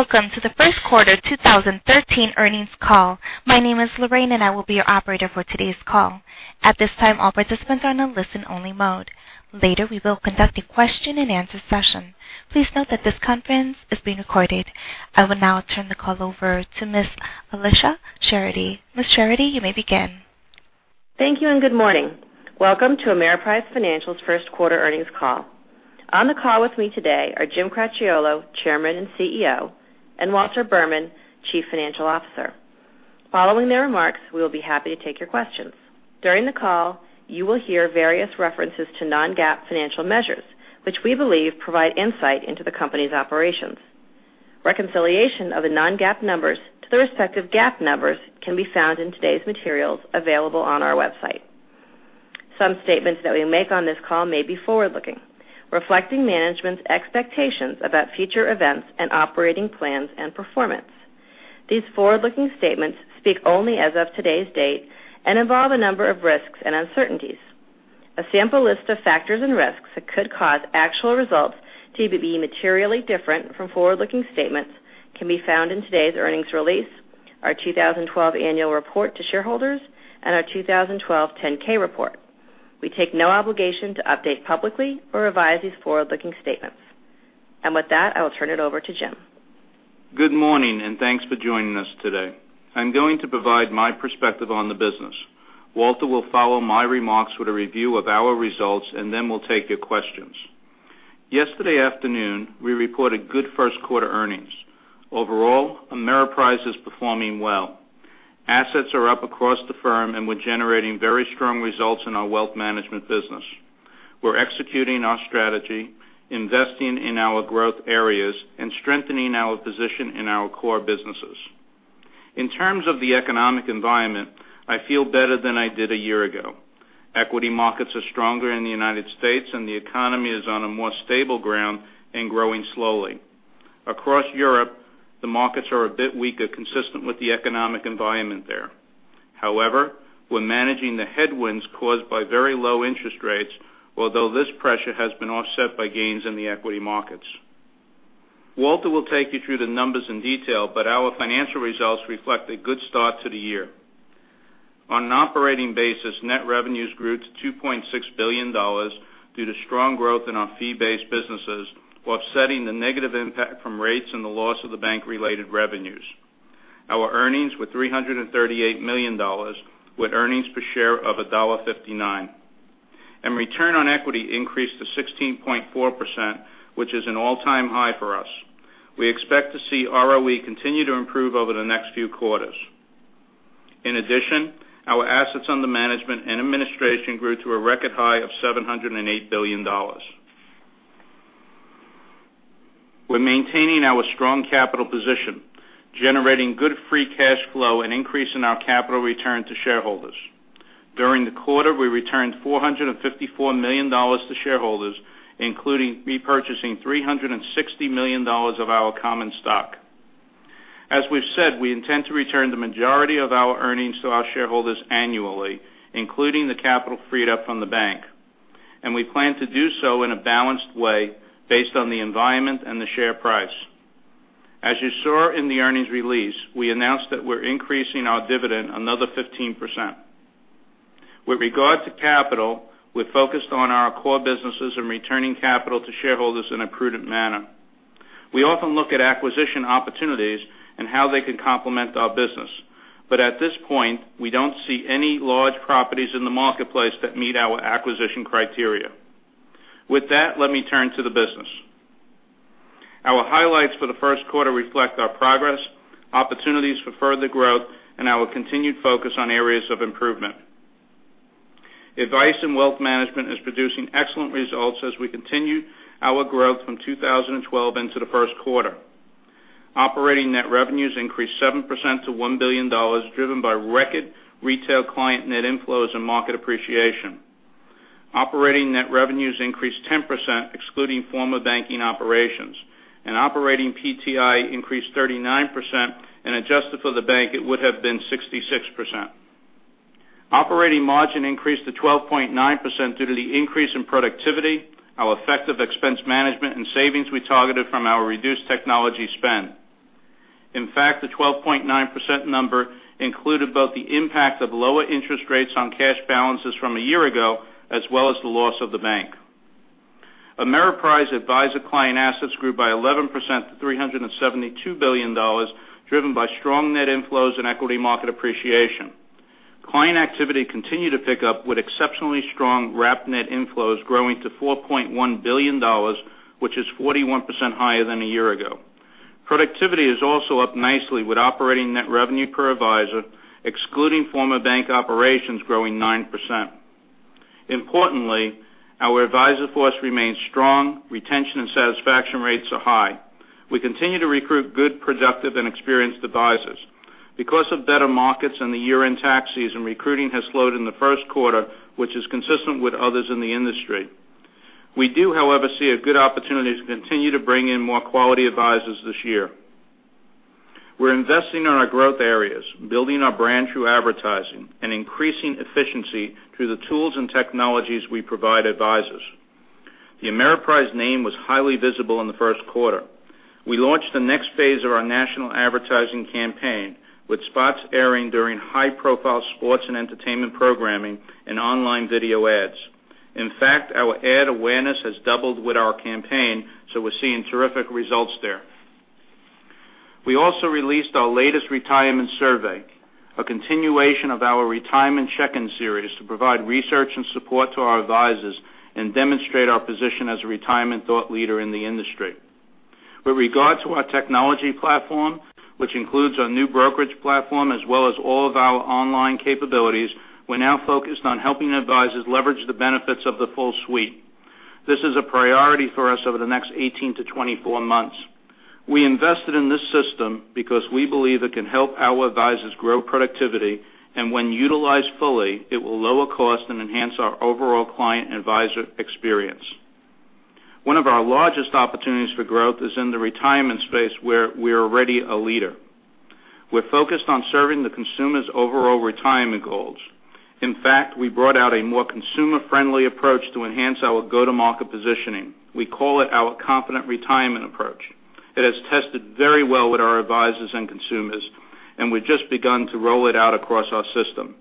Welcome to the first quarter 2013 earnings call. My name is Lorraine, and I will be your operator for today's call. At this time, all participants are on a listen-only mode. Later, we will conduct a question-and-answer session. Please note that this conference is being recorded. I will now turn the call over to Ms. Alicia Charity. Ms. Charity, you may begin. Thank you, and good morning. Welcome to Ameriprise Financial's first quarter earnings call. On the call with me today are Jim Cracchiolo, Chairman and CEO, and Walter Berman, Chief Financial Officer. Following their remarks, we will be happy to take your questions. During the call, you will hear various references to non-GAAP financial measures, which we believe provide insight into the company's operations. Reconciliation of the non-GAAP numbers to their respective GAAP numbers can be found in today's materials available on our website. Some statements that we make on this call may be forward-looking, reflecting management's expectations about future events and operating plans and performance. These forward-looking statements speak only as of today's date and involve a number of risks and uncertainties. A sample list of factors and risks that could cause actual results to be materially different from forward-looking statements can be found in today's earnings release, our 2012 annual report to shareholders, and our 2012 10-K report. We take no obligation to update publicly or revise these forward-looking statements. With that, I will turn it over to Jim. Good morning, and thanks for joining us today. I'm going to provide my perspective on the business. Walter will follow my remarks with a review of our results. We'll take your questions. Yesterday afternoon, we reported good first-quarter earnings. Overall, Ameriprise is performing well. Assets are up across the firm, and we're generating very strong results in our wealth management business. We're executing our strategy, investing in our growth areas, and strengthening our position in our core businesses. In terms of the economic environment, I feel better than I did a year ago. Equity markets are stronger in the U.S. The economy is on a more stable ground and growing slowly. Across Europe, the markets are a bit weaker, consistent with the economic environment there. However, we're managing the headwinds caused by very low interest rates, although this pressure has been offset by gains in the equity markets. Walter will take you through the numbers in detail, but our financial results reflect a good start to the year. On an operating basis, net revenues grew to $2.6 billion due to strong growth in our fee-based businesses, offsetting the negative impact from rates and the loss of the bank-related revenues. Our earnings were $338 million, with earnings per share of $1.59. Return on equity increased to 16.4%, which is an all-time high for us. We expect to see ROE continue to improve over the next few quarters. In addition, our assets under management and administration grew to a record high of $708 billion. We're maintaining our strong capital position, generating good free cash flow and increasing our capital return to shareholders. During the quarter, we returned $454 million to shareholders, including repurchasing $360 million of our common stock. As we've said, we intend to return the majority of our earnings to our shareholders annually, including the capital freed up from the bank. We plan to do so in a balanced way based on the environment and the share price. As you saw in the earnings release, we announced that we're increasing our dividend another 15%. With regard to capital, we're focused on our core businesses and returning capital to shareholders in a prudent manner. We often look at acquisition opportunities and how they can complement our business. At this point, we don't see any large properties in the marketplace that meet our acquisition criteria. With that, let me turn to the business. Our highlights for the first quarter reflect our progress, opportunities for further growth, and our continued focus on areas of improvement. Advice & Wealth Management is producing excellent results as we continue our growth from 2012 into the first quarter. Operating net revenues increased 7% to $1 billion, driven by record retail client net inflows and market appreciation. Operating net revenues increased 10%, excluding former banking operations. Operating PTI increased 39%, and adjusted for the bank, it would have been 66%. Operating margin increased to 12.9% due to the increase in productivity, our effective expense management, and savings we targeted from our reduced technology spend. In fact, the 12.9% number included both the impact of lower interest rates on cash balances from a year ago, as well as the loss of the bank. Ameriprise advisor client assets grew by 11% to $372 billion, driven by strong net inflows and equity market appreciation. Client activity continued to pick up with exceptionally strong wrap net inflows growing to $4.1 billion, which is 41% higher than a year ago. Productivity is also up nicely with operating net revenue per advisor, excluding former bank operations, growing 9%. Importantly, our advisor force remains strong. Retention and satisfaction rates are high. We continue to recruit good, productive, and experienced advisors. Because of better markets and the year-end tax season, recruiting has slowed in the first quarter, which is consistent with others in the industry. We do, however, see a good opportunity to continue to bring in more quality advisors this year. We're investing in our growth areas, building our brand through advertising, and increasing efficiency through the tools and technologies we provide advisors. The Ameriprise name was highly visible in the first quarter. We launched the next phase of our national advertising campaign, with spots airing during high-profile sports and entertainment programming and online video ads. In fact, our ad awareness has doubled with our campaign, so we're seeing terrific results there. We also released our latest retirement survey, a continuation of our retirement check-in series to provide research and support to our advisors and demonstrate our position as a retirement thought leader in the industry. With regard to our technology platform, which includes our new brokerage platform, as well as all of our online capabilities, we're now focused on helping advisors leverage the benefits of the full suite. This is a priority for us over the next 18 to 24 months. When utilized fully, it will lower cost and enhance our overall client advisor experience. One of our largest opportunities for growth is in the retirement space, where we're already a leader. We're focused on serving the consumer's overall retirement goals. In fact, we brought out a more consumer-friendly approach to enhance our go-to-market positioning. We call it our Confident Retirement approach. It has tested very well with our advisors and consumers, and we've just begun to roll it out across our system.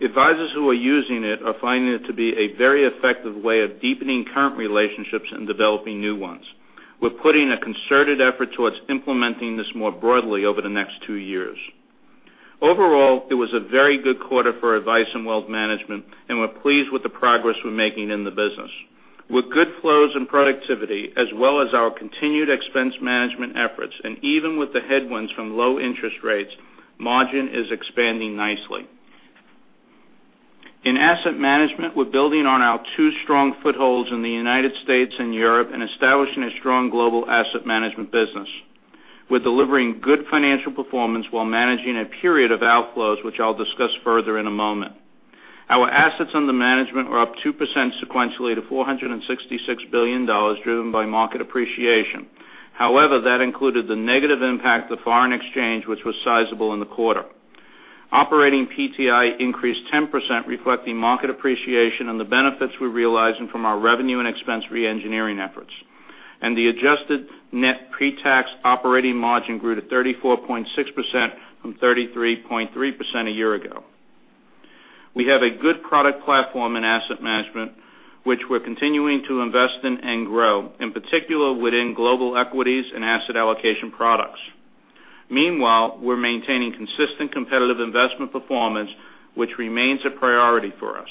Advisors who are using it are finding it to be a very effective way of deepening current relationships and developing new ones. We're putting a concerted effort towards implementing this more broadly over the next two years. It was a very good quarter for Advice & Wealth Management, and we're pleased with the progress we're making in the business. With good flows and productivity, as well as our continued expense management efforts, even with the headwinds from low interest rates, margin is expanding nicely. In Asset Management, we're building on our two strong footholds in the United States and Europe and establishing a strong global asset management business. We're delivering good financial performance while managing a period of outflows, which I'll discuss further in a moment. Our assets under management were up 2% sequentially to $466 billion, driven by market appreciation. That included the negative impact of foreign exchange, which was sizable in the quarter. Operating PTI increased 10%, reflecting market appreciation and the benefits we're realizing from our revenue and expense re-engineering efforts. The adjusted net pre-tax operating margin grew to 34.6% from 33.3% a year ago. We have a good product platform in asset management, which we're continuing to invest in and grow, in particular within global equities and asset allocation products. Meanwhile, we're maintaining consistent competitive investment performance, which remains a priority for us.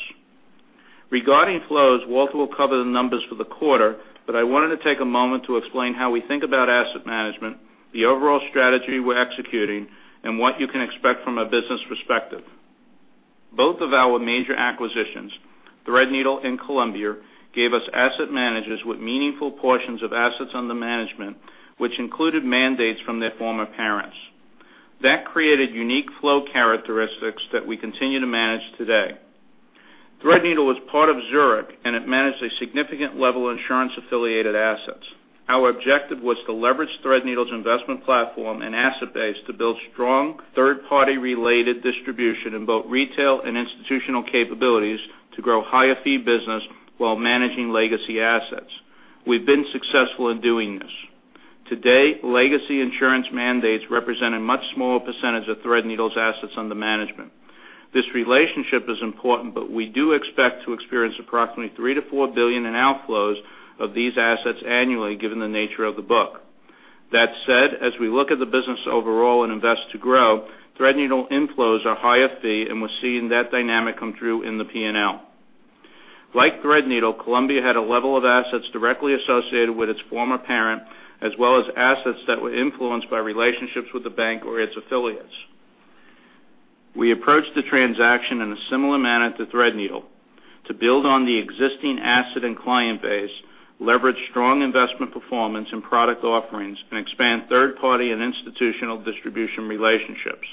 Regarding flows, Walter will cover the numbers for the quarter, but I wanted to take a moment to explain how we think about asset management, the overall strategy we're executing, and what you can expect from a business perspective. Both of our major acquisitions, Threadneedle and Columbia, gave us asset managers with meaningful portions of assets under management, which included mandates from their former parents. That created unique flow characteristics that we continue to manage today. Threadneedle was part of Zurich, and it managed a significant level of insurance-affiliated assets. Our objective was to leverage Threadneedle's investment platform and asset base to build strong third-party related distribution in both retail and institutional capabilities to grow higher fee business while managing legacy assets. We've been successful in doing this. Today, legacy insurance mandates represent a much smaller percentage of Threadneedle's assets under management. This relationship is important, but we do expect to experience approximately $3 billion-$4 billion in outflows of these assets annually, given the nature of the book. That said, as we look at the business overall and invest to grow, Threadneedle inflows are higher fee, and we're seeing that dynamic come through in the P&L. Like Threadneedle, Columbia had a level of assets directly associated with its former parent, as well as assets that were influenced by relationships with the bank or its affiliates. We approached the transaction in a similar manner to Threadneedle: to build on the existing asset and client base, leverage strong investment performance and product offerings, and expand third party and institutional distribution relationships.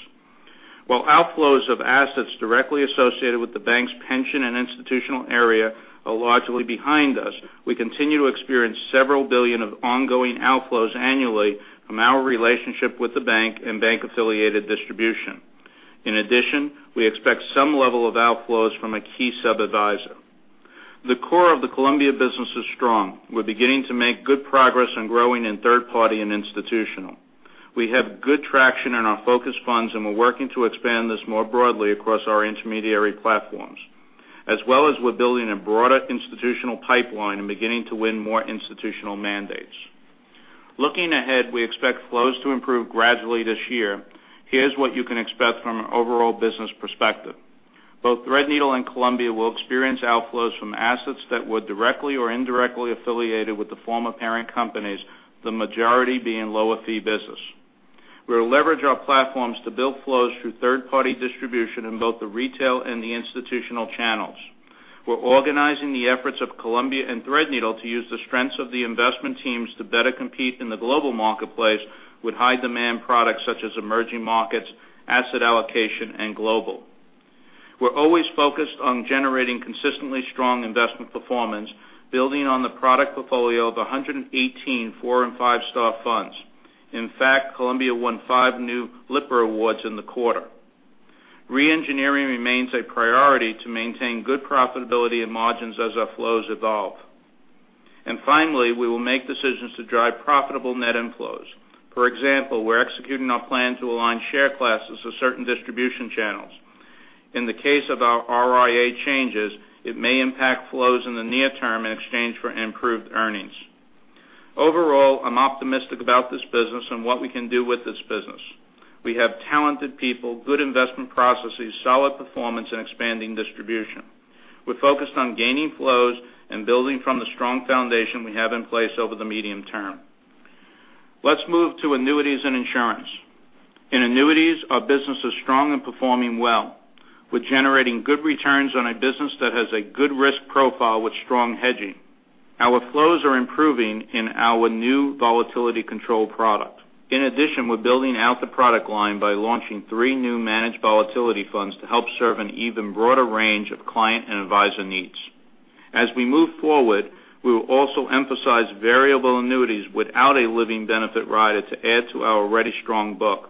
While outflows of assets directly associated with the bank's pension and institutional area are largely behind us, we continue to experience $ several billion of ongoing outflows annually from our relationship with the bank and bank-affiliated distribution. In addition, we expect some level of outflows from a key sub-adviser. The core of the Columbia business is strong. We're beginning to make good progress on growing in third party and institutional. We have good traction in our focus funds, and we're working to expand this more broadly across our intermediary platforms, as well as we're building a broader institutional pipeline and beginning to win more institutional mandates. Looking ahead, we expect flows to improve gradually this year. Here's what you can expect from an overall business perspective. Both Threadneedle and Columbia will experience outflows from assets that were directly or indirectly affiliated with the former parent companies, the majority being lower fee business. We'll leverage our platforms to build flows through third-party distribution in both the retail and the institutional channels. We're organizing the efforts of Columbia and Threadneedle to use the strengths of the investment teams to better compete in the global marketplace with high-demand products such as emerging markets, asset allocation, and global. We're always focused on generating consistently strong investment performance, building on the product portfolio of 118 four and five-star funds. In fact, Columbia won five new Lipper awards in the quarter. Re-engineering remains a priority to maintain good profitability and margins as our flows evolve. Finally, we will make decisions to drive profitable net inflows. For example, we're executing our plan to align share classes with certain distribution channels. In the case of our RIA changes, it may impact flows in the near term in exchange for improved earnings. Overall, I'm optimistic about this business and what we can do with this business. We have talented people, good investment processes, solid performance, and expanding distribution. We're focused on gaining flows and building from the strong foundation we have in place over the medium term. Let's move to annuities and insurance. In annuities, our business is strong and performing well. We're generating good returns on a business that has a good risk profile with strong hedging. Our flows are improving in our new volatility control product. In addition, we're building out the product line by launching three new managed volatility funds to help serve an even broader range of client and advisor needs. As we move forward, we will also emphasize variable annuities without a living benefit rider to add to our already strong book.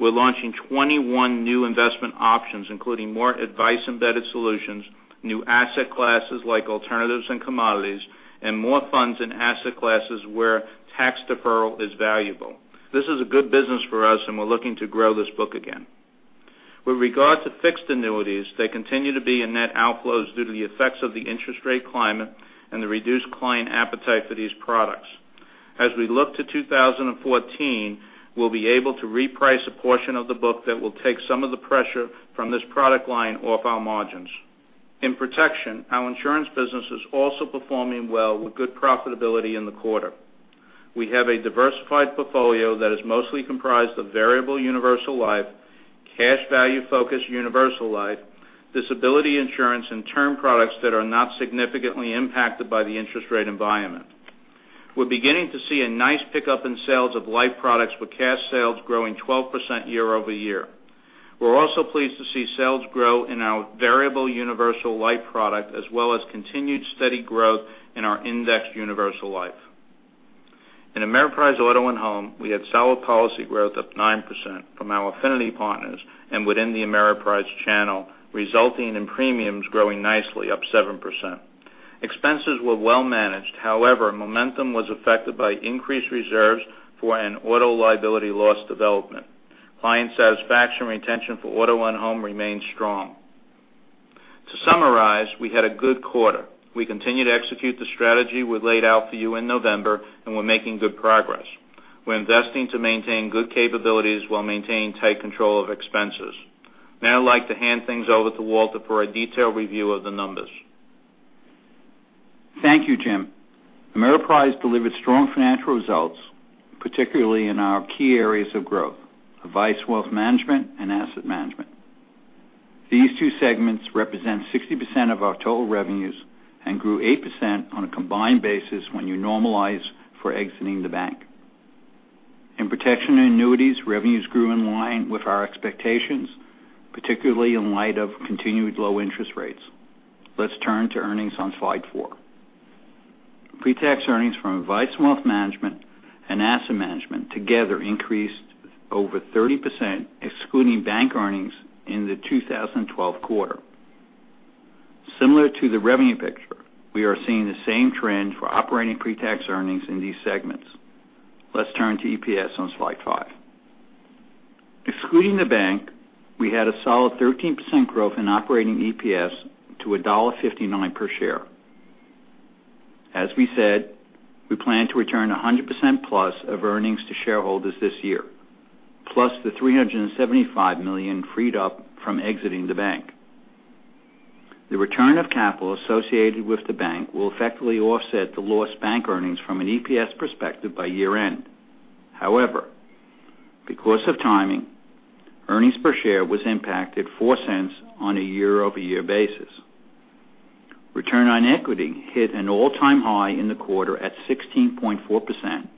We're launching 21 new investment options including more advice-embedded solutions, new asset classes like alternatives and commodities, and more funds in asset classes where tax deferral is valuable. This is a good business for us, and we're looking to grow this book again. With regard to fixed annuities, they continue to be in net outflows due to the effects of the interest rate climate and the reduced client appetite for these products. As we look to 2014, we'll be able to reprice a portion of the book that will take some of the pressure from this product line off our margins. In protection, our insurance business is also performing well with good profitability in the quarter. We have a diversified portfolio that is mostly comprised of variable universal life, cash value focused universal life, disability insurance, and term products that are not significantly impacted by the interest rate environment. We're beginning to see a nice pickup in sales of life products with cash sales growing 12% year-over-year. We're also pleased to see sales grow in our variable universal life product, as well as continued steady growth in our indexed universal life. In Ameriprise Auto & Home, we had solid policy growth of 9% from our affinity partners and within the Ameriprise channel, resulting in premiums growing nicely, up 7%. Expenses were well managed. However, momentum was affected by increased reserves for an auto liability loss development. Client satisfaction retention for Auto and Home remains strong. To summarize, we had a good quarter. We continue to execute the strategy we laid out for you in November, and we're making good progress. We're investing to maintain good capabilities while maintaining tight control of expenses. I'd like to hand things over to Walter for a detailed review of the numbers. Thank you, Jim. Ameriprise delivered strong financial results, particularly in our key areas of growth: Advice & Wealth Management and asset management. These two segments represent 60% of our total revenues and grew 8% on a combined basis when you normalize for exiting the bank. In protection and annuities, revenues grew in line with our expectations, particularly in light of continued low interest rates. Let's turn to earnings on slide four. Pre-tax earnings from Advice & Wealth Management and Asset Management together increased over 30%, excluding bank earnings in the 2012 quarter. Similar to the revenue picture, we are seeing the same trend for operating pre-tax earnings in these segments. Let's turn to EPS on slide five. Excluding the bank, we had a solid 13% growth in operating EPS to $1.59 per share. As we said, we plan to return 100% plus of earnings to shareholders this year, plus the $375 million freed up from exiting the bank. The return of capital associated with the bank will effectively offset the lost bank earnings from an EPS perspective by year-end. However, because of timing, earnings per share was impacted $0.04 on a year-over-year basis. Return on equity hit an all-time high in the quarter at 16.4%,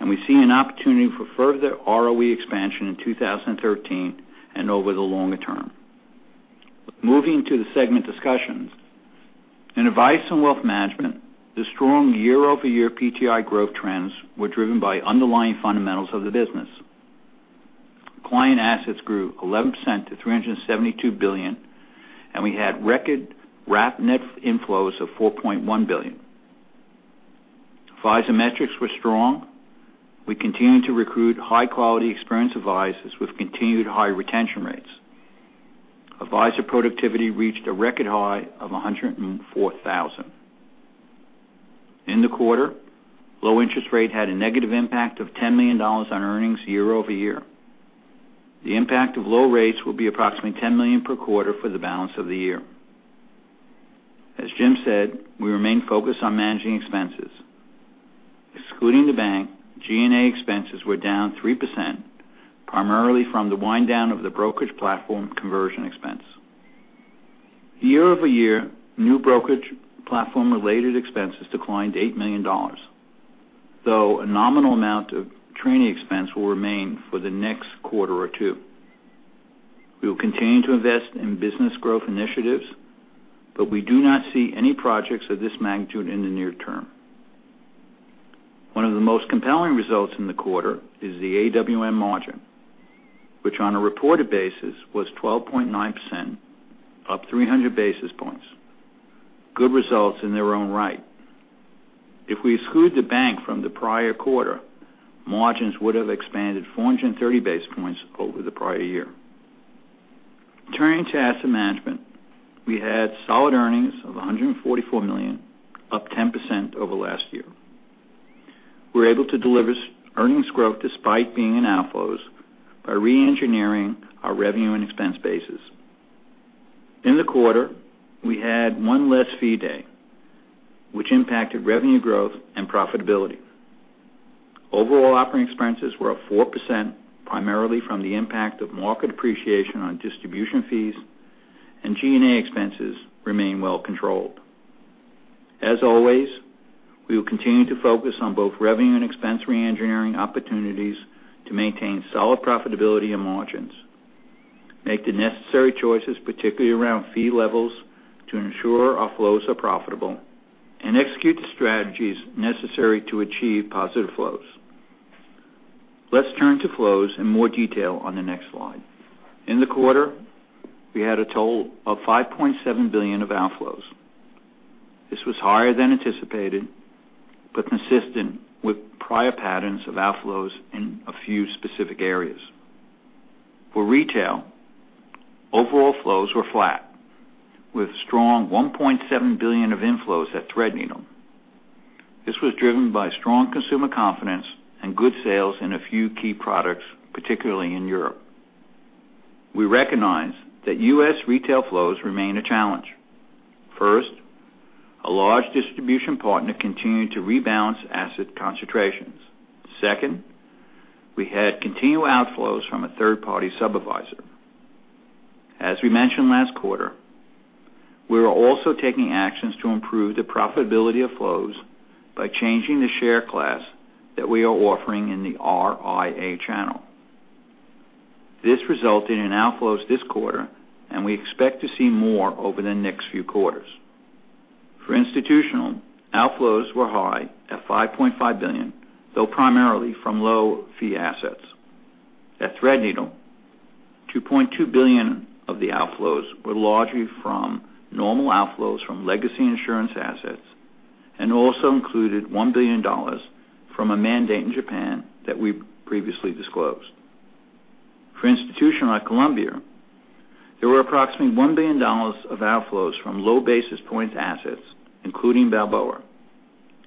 and we see an opportunity for further ROE expansion in 2013 and over the longer term. Moving to the segment discussions. In Advice & Wealth Management, the strong year-over-year PTI growth trends were driven by underlying fundamentals of the business. Client assets grew 11% to $372 billion, and we had record wrap net inflows of $4.1 billion. Advisor metrics were strong. We continue to recruit high-quality experienced advisors with continued high retention rates. Advisor productivity reached a record high of 104,000. In the quarter, low interest rate had a negative impact of $10 million on earnings year-over-year. The impact of low rates will be approximately $10 million per quarter for the balance of the year. As Jim said, we remain focused on managing expenses. Excluding the bank, G&A expenses were down 3%, primarily from the wind down of the brokerage platform conversion expense. Year-over-year, new brokerage platform related expenses declined to $8 million. Though a nominal amount of training expense will remain for the next quarter or two. We will continue to invest in business growth initiatives, but we do not see any projects of this magnitude in the near term. One of the most compelling results in the quarter is the AWM margin, which on a reported basis, was 12.9%, up 300 basis points. Good results in their own right. If we exclude the bank from the prior quarter, margins would have expanded 430 basis points over the prior year. Turning to asset management, we had solid earnings of $144 million, up 10% over last year. We are able to deliver earnings growth despite being in outflows by re-engineering our revenue and expense bases. In the quarter, we had one less fee day, which impacted revenue growth and profitability. Overall operating expenses were up 4%, primarily from the impact of market appreciation on distribution fees, and G&A expenses remain well controlled. As always, we will continue to focus on both revenue and expense reengineering opportunities to maintain solid profitability and margins, make the necessary choices, particularly around fee levels, to ensure our flows are profitable, and execute the strategies necessary to achieve positive flows. Let's turn to flows in more detail on the next slide. In the quarter, we had a total of $5.7 billion of outflows. This was higher than anticipated, but consistent with prior patterns of outflows in a few specific areas. For retail, overall flows were flat, with strong $1.7 billion of inflows at Threadneedle. This was driven by strong consumer confidence and good sales in a few key products, particularly in Europe. We recognize that U.S. retail flows remain a challenge. First, a large distribution partner continued to rebalance asset concentrations. Second, we had continued outflows from a third-party supervisor. As we mentioned last quarter, we are also taking actions to improve the profitability of flows by changing the share class that we are offering in the RIA channel. This resulted in outflows this quarter, and we expect to see more over the next few quarters. For institutional, outflows were high at $5.5 billion, though primarily from low fee assets. At Threadneedle, $2.2 billion of the outflows were largely from normal outflows from legacy insurance assets, also included $1 billion from a mandate in Japan that we previously disclosed. For Institutional at Columbia, there were approximately $1 billion of outflows from low basis points assets, including Balboa.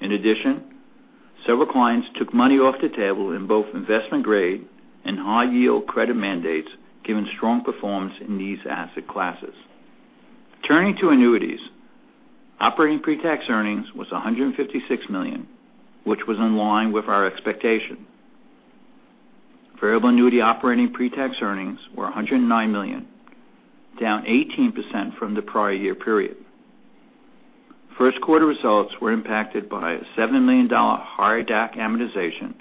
In addition, several clients took money off the table in both investment grade and high yield credit mandates, given strong performance in these asset classes. Turning to annuities, operating pre-tax earnings was $156 million, which was in line with our expectation. Variable annuity operating pre-tax earnings were $109 million, down 18% from the prior year period. First quarter results were impacted by a $70 million higher DAC amortization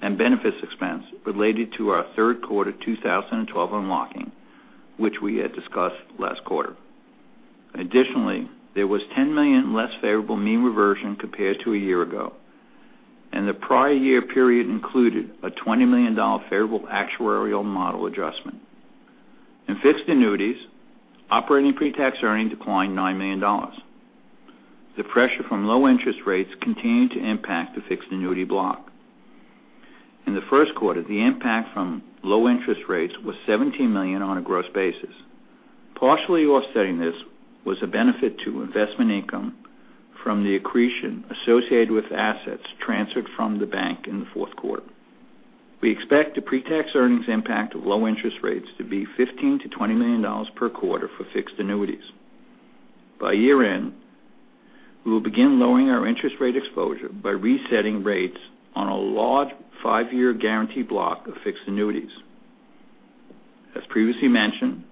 and benefits expense related to our third quarter 2012 unlocking, which we had discussed last quarter. Additionally, there was $10 million less favorable mean reversion compared to a year ago, the prior year period included a $20 million favorable actuarial model adjustment. In fixed annuities, operating pre-tax earnings declined $9 million. The pressure from low interest rates continued to impact the fixed annuity block. In the first quarter, the impact from low interest rates was $17 million on a gross basis. Partially offsetting this was a benefit to investment income from the accretion associated with assets transferred from the bank in the fourth quarter. We expect the pre-tax earnings impact of low interest rates to be $15 million-$20 million per quarter for fixed annuities. By year-end, we will begin lowering our interest rate exposure by resetting rates on a large five-year guarantee block of fixed annuities. As previously mentioned,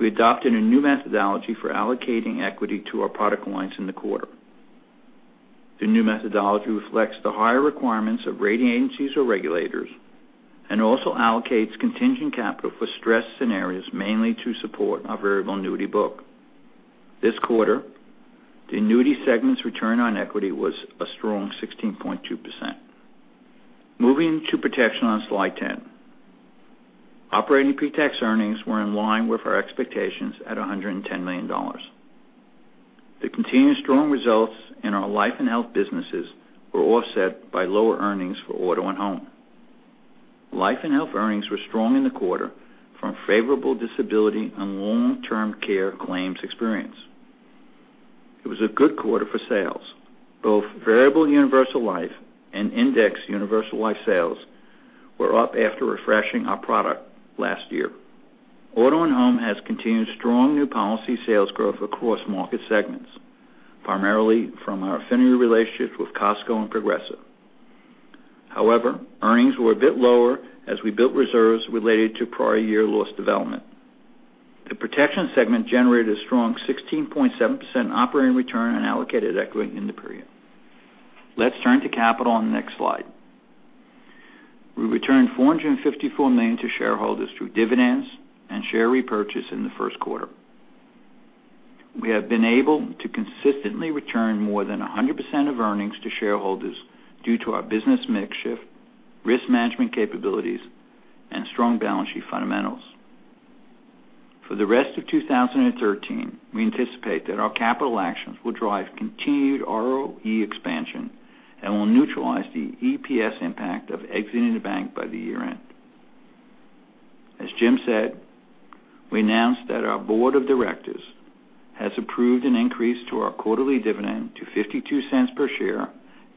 we adopted a new methodology for allocating equity to our product lines in the quarter. The new methodology reflects the higher requirements of rating agencies or regulators, also allocates contingent capital for stress scenarios, mainly to support our variable annuity book. This quarter, the annuity segment's return on equity was a strong 16.2%. Moving to protection on slide 10. Operating pre-tax earnings were in line with our expectations at $110 million. The continued strong results in our life and health businesses were offset by lower earnings for auto and home. Life and health earnings were strong in the quarter from favorable disability and long-term care claims experience. It was a good quarter for sales. Both variable universal life and indexed universal life sales were up after refreshing our product last year. Auto and home has continued strong new policy sales growth across market segments, primarily from our affinity relationships with Costco and Progressive. Earnings were a bit lower as we built reserves related to prior year loss development. The protection segment generated a strong 16.7% operating return on allocated equity in the period. Let's turn to capital on the next slide. We returned $454 million to shareholders through dividends and share repurchase in the first quarter. We have been able to consistently return more than 100% of earnings to shareholders due to our business mix shift, risk management capabilities, and strong balance sheet fundamentals. For the rest of 2013, we anticipate that our capital actions will drive continued ROE expansion and will neutralize the EPS impact of exiting the bank by the year-end. Jim said, we announced that our board of directors has approved an increase to our quarterly dividend to $0.52 per share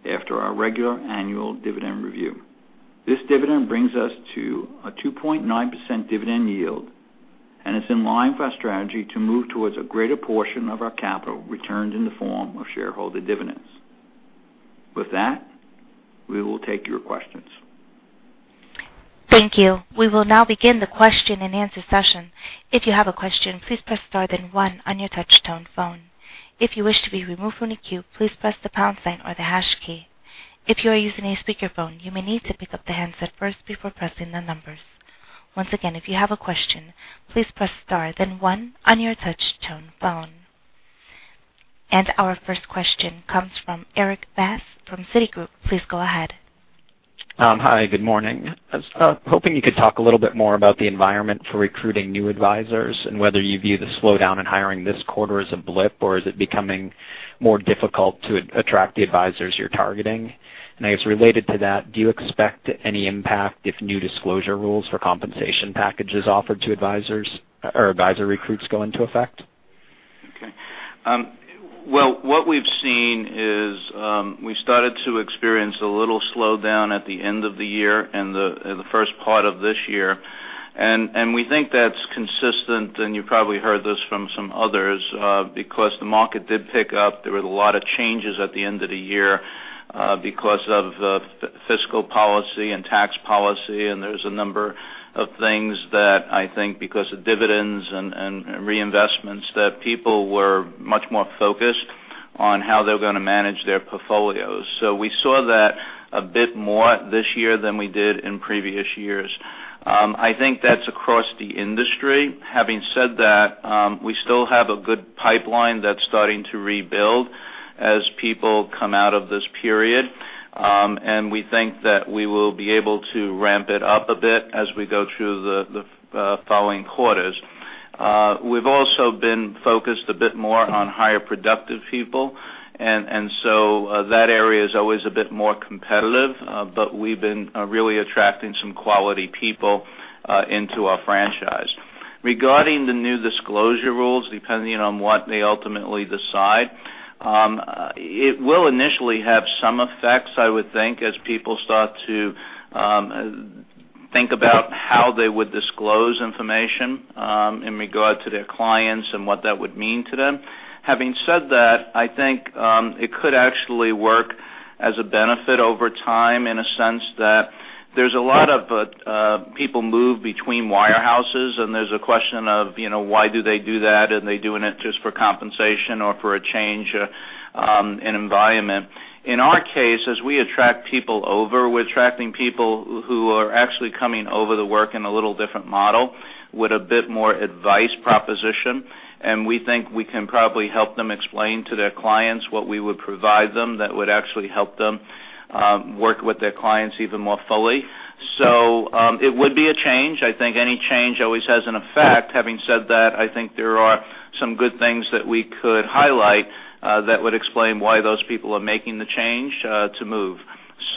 after our regular annual dividend review. This dividend brings us to a 2.9% dividend yield, is in line with our strategy to move towards a greater portion of our capital returned in the form of shareholder dividends. With that, we will take your questions. Thank you. We will now begin the question-and-answer session. If you have a question, please press star, then one on your touch tone phone. If you wish to be removed from the queue, please press the pound sign or the hash key. If you are using a speakerphone, you may need to pick up the handset first before pressing the numbers. Once again, if you have a question, please press star, then one on your touch tone phone. Our first question comes from Eric Berg from Citigroup. Please go ahead. Hi, good morning. I was hoping you could talk a little bit more about the environment for recruiting new advisors, whether you view the slowdown in hiring this quarter as a blip, or is it becoming more difficult to attract the advisors you're targeting? I guess related to that, do you expect any impact if new disclosure rules for compensation packages offered to advisor recruits go into effect? Okay. Well, what we've seen is we started to experience a little slowdown at the end of the year and the first part of this year. We think that's consistent, and you probably heard this from some others because the market did pick up. There were a lot of changes at the end of the year because of fiscal policy and tax policy, and there's a number of things that I think because of dividends and reinvestments, that people were much more focused on how they were going to manage their portfolios. We saw that a bit more this year than we did in previous years. I think that's across the industry. Having said that, we still have a good pipeline that's starting to rebuild as people come out of this period. We think that we will be able to ramp it up a bit as we go through the following quarters. We've also been focused a bit more on higher productive people, and so that area is always a bit more competitive. But we've been really attracting some quality people into our franchise. Regarding the new disclosure rules, depending on what they ultimately decide, it will initially have some effects, I would think, as people start to think about how they would disclose information in regard to their clients and what that would mean to them. Having said that, I think it could actually work as a benefit over time in a sense that there's a lot of people move between wirehouses, and there's a question of why do they do that, and are they doing it just for compensation or for a change in environment? In our case, as we attract people over, we're attracting people who are actually coming over to work in a little different model with a bit more advice proposition. We think we can probably help them explain to their clients what we would provide them that would actually help them work with their clients even more fully. It would be a change. I think any change always has an effect. Having said that, I think there are some good things that we could highlight that would explain why those people are making the change to move.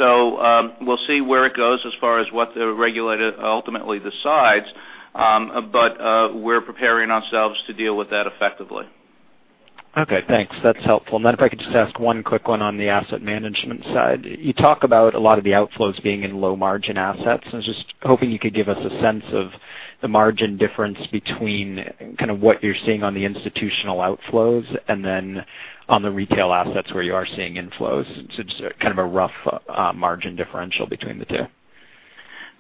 We'll see where it goes as far as what the regulator ultimately decides. We're preparing ourselves to deal with that effectively. Okay, thanks. That's helpful. If I could just ask one quick one on the asset management side. You talk about a lot of the outflows being in low-margin assets. I was just hoping you could give us a sense of the margin difference between what you're seeing on the institutional outflows, and then on the retail assets where you are seeing inflows. Just kind of a rough margin differential between the two.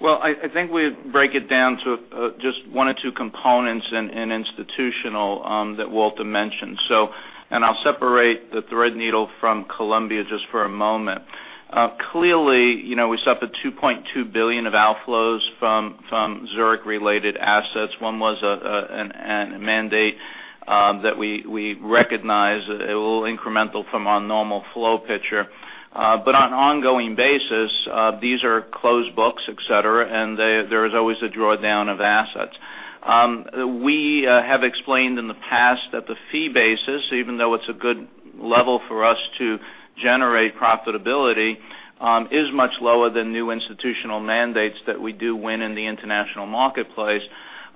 Well, I think we break it down to just one or two components in institutional that Walter mentioned. I'll separate Threadneedle from Columbia just for a moment. Clearly, we suffered $2.2 billion of outflows from Zurich-related assets. One was a mandate that we recognized a little incremental from our normal flow picture. On an ongoing basis, these are closed books, et cetera, and there is always a drawdown of assets. We have explained in the past that the fee basis, even though it's a good level for us to generate profitability, is much lower than new institutional mandates that we do win in the international marketplace.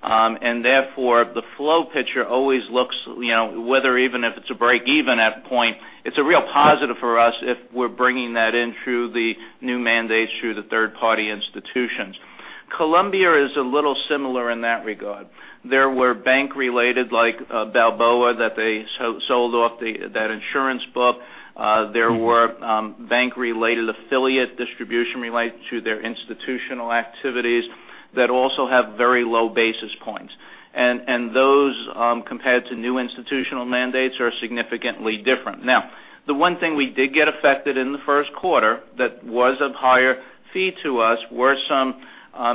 Therefore, the flow picture always looks, whether even if it's a break-even at point, it's a real positive for us if we're bringing that in through the new mandates through the third-party institutions. Columbia is a little similar in that regard. There were bank related, like Balboa, that they sold off that insurance book. There were bank related affiliate distribution related to their institutional activities that also have very low basis points. Those, compared to new institutional mandates, are significantly different. The one thing we did get affected in the first quarter that was of higher fee to us, were some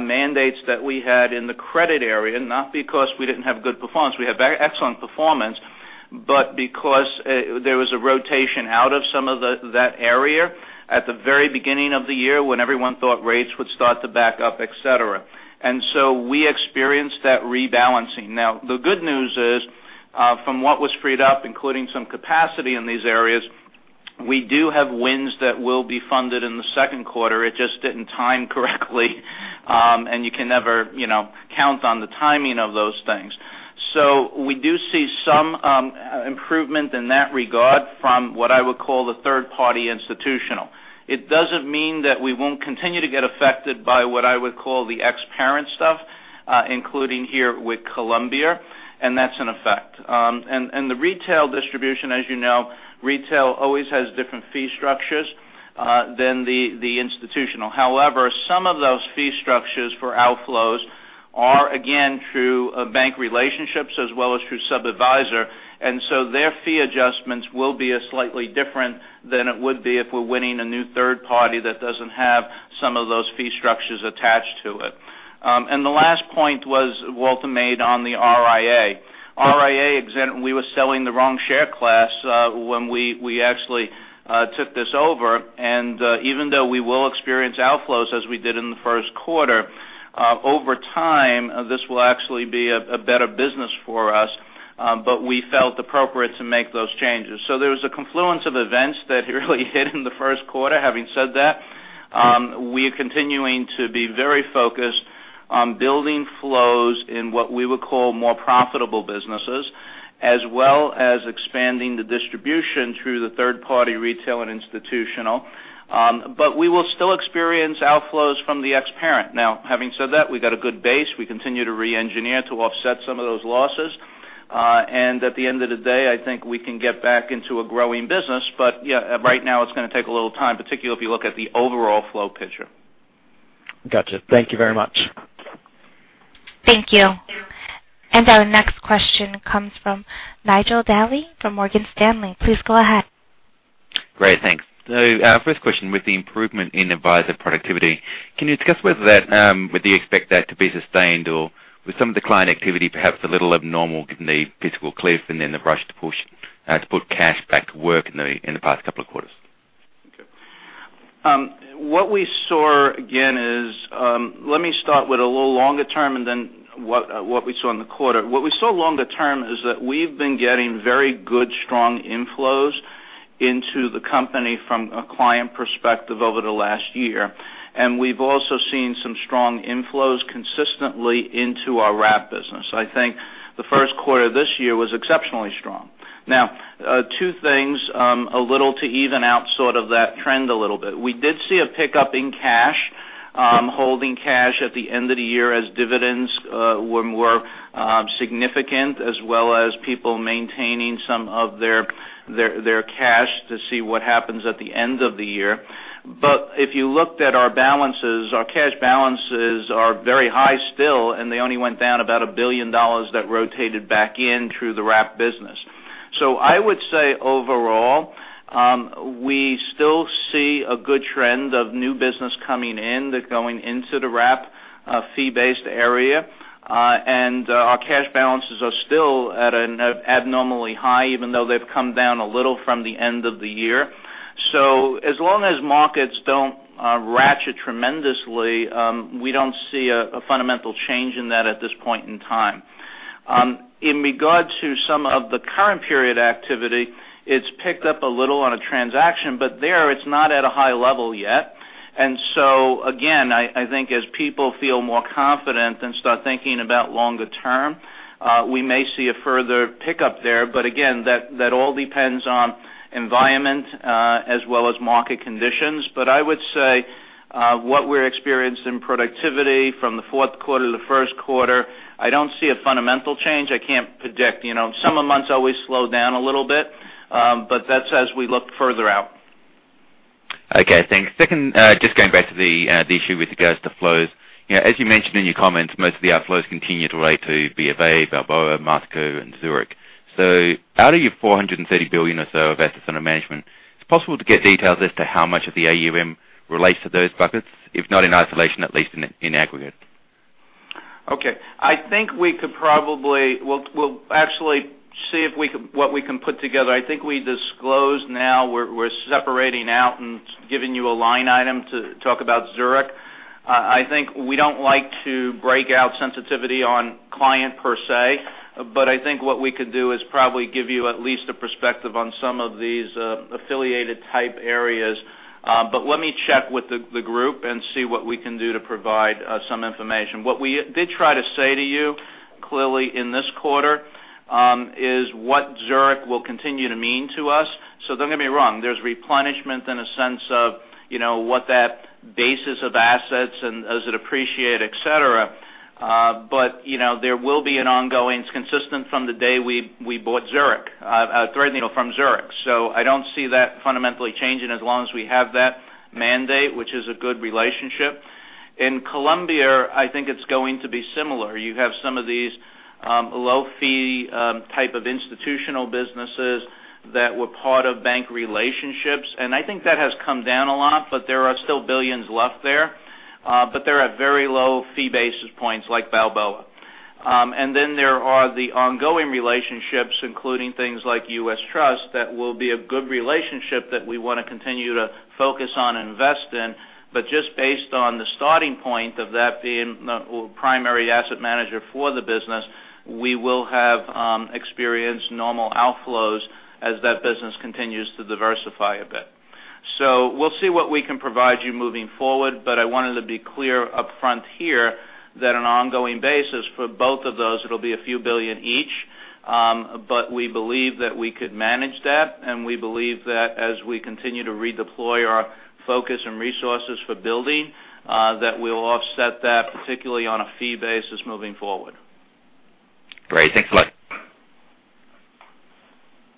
mandates that we had in the credit area, not because we didn't have good performance, we had excellent performance, but because there was a rotation out of some of that area at the very beginning of the year, when everyone thought rates would start to back up, et cetera. We experienced that rebalancing. The good news is, from what was freed up, including some capacity in these areas, we do have wins that will be funded in the second quarter. It just didn't time correctly. You can never count on the timing of those things. We do see some improvement in that regard from what I would call the third-party institutional. It doesn't mean that we won't continue to get affected by what I would call the ex-parent stuff, including here with Columbia, and that's in effect. The retail distribution, as you know, retail always has different fee structures than the institutional. However, some of those fee structures for outflows are, again, through bank relationships as well as through sub-adviser. Their fee adjustments will be slightly different than it would be if we're winning a new third party that doesn't have some of those fee structures attached to it. The last point Walter made on the RIA. RIA, we were selling the wrong share class when we actually took this over. Even though we will experience outflows as we did in the first quarter, over time, this will actually be a better business for us, but we felt appropriate to make those changes. There was a confluence of events that really hit in the first quarter. Having said that, we are continuing to be very focused on building flows in what we would call more profitable businesses, as well as expanding the distribution through the third-party retail and institutional. We will still experience outflows from the ex-parent. Having said that, we've got a good base. We continue to re-engineer to offset some of those losses. At the end of the day, I think we can get back into a growing business. Right now, it's going to take a little time, particularly if you look at the overall flow picture. Got you. Thank you very much. Thank you. Our next question comes from Nigel Daly from Morgan Stanley. Please go ahead. Great. Thanks. First question, with the improvement in advisor productivity, can you discuss whether that, would you expect that to be sustained? With some decline activity, perhaps a little abnormal given the fiscal cliff and the rush to put cash back to work in the past couple of quarters. Okay. What we saw, again, is, let me start with a little longer term and what we saw in the quarter. What we saw longer term is that we've been getting very good, strong inflows into the company from a client perspective over the last year. We've also seen some strong inflows consistently into our wrap business. I think the first quarter of this year was exceptionally strong. Now, two things, a little to even out that trend a little bit. We did see a pickup in cash. Holding cash at the end of the year as dividends were more significant, as well as people maintaining some of their cash to see what happens at the end of the year. If you looked at our balances, our cash balances are very high still, and they only went down about $1 billion that rotated back in through the wrap business. I would say overall, we still see a good trend of new business coming in. They're going into the wrap fee-based area. Our cash balances are still at an abnormally high, even though they've come down a little from the end of the year. As long as markets don't ratchet tremendously, we don't see a fundamental change in that at this point in time. In regard to some of the current period activity, it's picked up a little on a transaction, but there, it's not at a high level yet. Again, I think as people feel more confident and start thinking about longer term, we may see a further pickup there. Again, that all depends on environment as well as market conditions. I would say, what we're experiencing productivity from the fourth quarter to the first quarter, I don't see a fundamental change. I can't predict. Summer months always slow down a little bit, but that's as we look further out. Okay, thanks. Second, just going back to the issue with regards to flows. As you mentioned in your comments, most of the outflows continue to relate to BofA, Balboa, Masco, and Zurich. Out of your $430 billion or so of assets under management, is it possible to get details as to how much of the AUM relates to those buckets? If not in isolation, at least in aggregate. Okay. I think we could probably see what we can put together. I think we disclosed now, we're separating out and giving you a line item to talk about Zurich. I think we don't like to break out sensitivity on client per se, but I think what we could do is probably give you at least a perspective on some of these affiliated type areas. Let me check with the group and see what we can do to provide some information. What we did try to say to you Clearly in this quarter, is what Zurich will continue to mean to us. Don't get me wrong, there's replenishment in a sense of what that basis of assets and does it appreciate, et cetera, but there will be an ongoing consistent from the day we bought Threadneedle from Zurich. I don't see that fundamentally changing as long as we have that mandate, which is a good relationship. In Columbia, I think it's going to be similar. You have some of these low-fee type of institutional businesses that were part of bank relationships, I think that has come down a lot, but there are still billions left there. They're at very low fee basis points like Balboa. Then there are the ongoing relationships, including things like U.S. Trust, that will be a good relationship that we want to continue to focus on and invest in. Just based on the starting point of that being the primary asset manager for the business, we will have experienced normal outflows as that business continues to diversify a bit. We'll see what we can provide you moving forward, I wanted to be clear upfront here that an ongoing basis for both of those, it'll be a few billion each. We believe that we could manage that, we believe that as we continue to redeploy our focus and resources for building, that we'll offset that, particularly on a fee basis, moving forward. Great. Thanks a lot.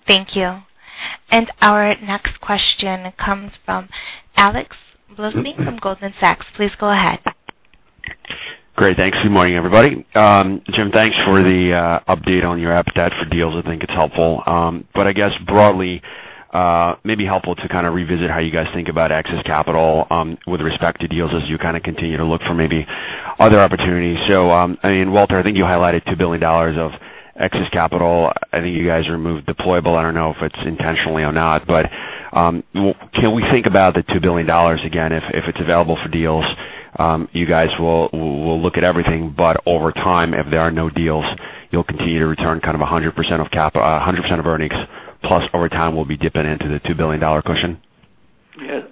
Thank you. Our next question comes from Alex Blostein from Goldman Sachs. Please go ahead. Great. Thanks. Good morning, everybody. Jim, thanks for the update on your appetite for deals. I think it's helpful. I guess broadly, maybe helpful to kind of revisit how you guys think about excess capital, with respect to deals as you kind of continue to look for maybe other opportunities. Walter, I think you highlighted $2 billion of excess capital. I think you guys removed deployable. I don't know if it's intentionally or not. Can we think about the $2 billion again, if it's available for deals? You guys will look at everything, but over time, if there are no deals, you'll continue to return kind of 100% of earnings plus over time will be dipping into the $2 billion cushion. Yes.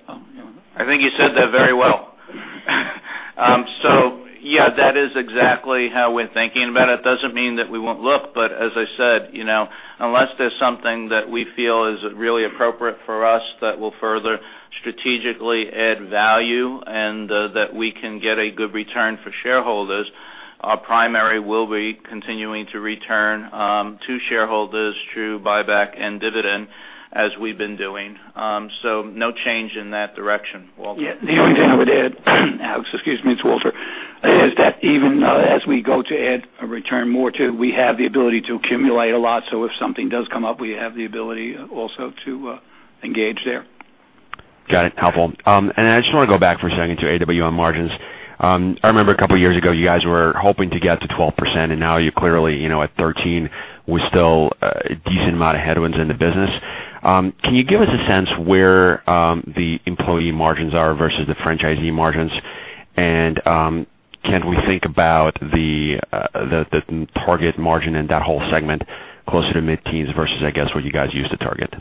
I think you said that very well. Yeah, that is exactly how we're thinking about it. Doesn't mean that we won't look, but as I said, unless there's something that we feel is really appropriate for us that will further strategically add value and that we can get a good return for shareholders, our primary will be continuing to return to shareholders through buyback and dividend as we've been doing. No change in that direction. Walter? Yeah. The only thing I would add, Alex, excuse me, it's Walter. Is that even as we go to add a return more to, we have the ability to accumulate a lot. If something does come up, we have the ability also to engage there. Got it. Helpful. I just want to go back for a second to AWM margins. I remember a couple of years ago you guys were hoping to get to 12%, and now you're clearly at 13%, with still a decent amount of headwinds in the business. Can you give us a sense where the employee margins are versus the franchisee margins? Can we think about the target margin in that whole segment closer to mid-teens versus, I guess, what you guys used to target?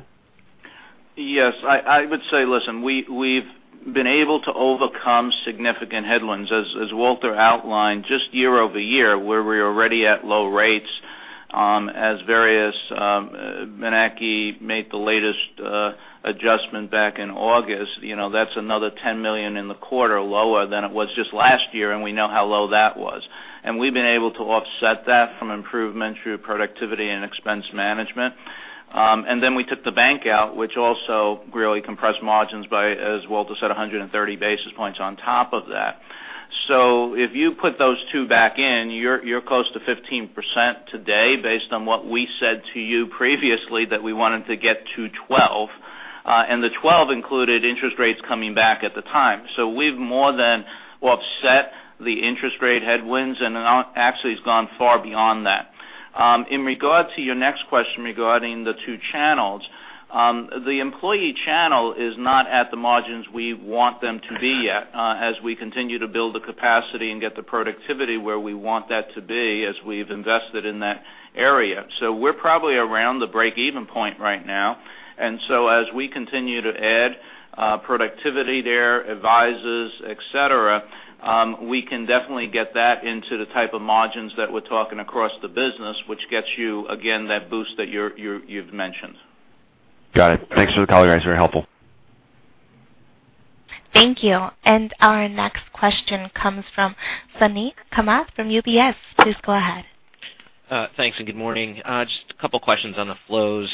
Yes. I would say, listen, we've been able to overcome significant headwinds, as Walter outlined, just year-over-year, where we're already at low rates, as various, Menache made the latest adjustment back in August. That's another $10 million in the quarter lower than it was just last year, and we know how low that was. We've been able to offset that from improvement through productivity and expense management. Then we took the bank out, which also really compressed margins by, as Walter said, 130 basis points on top of that. If you put those two back in, you're close to 15% today based on what we said to you previously that we wanted to get to 12. The 12 included interest rates coming back at the time. We've more than offset the interest rate headwinds, and then actually it's gone far beyond that. In regard to your next question regarding the two channels, the employee channel is not at the margins we want them to be yet, as we continue to build the capacity and get the productivity where we want that to be as we've invested in that area. We're probably around the break-even point right now. As we continue to add productivity there, advisors, et cetera, we can definitely get that into the type of margins that we're talking across the business, which gets you, again, that boost that you've mentioned. Got it. Thanks for the color, guys. Very helpful. Thank you. Our next question comes from Suneet Kamath from UBS. Please go ahead. Thanks, good morning. Just a couple of questions on the flows.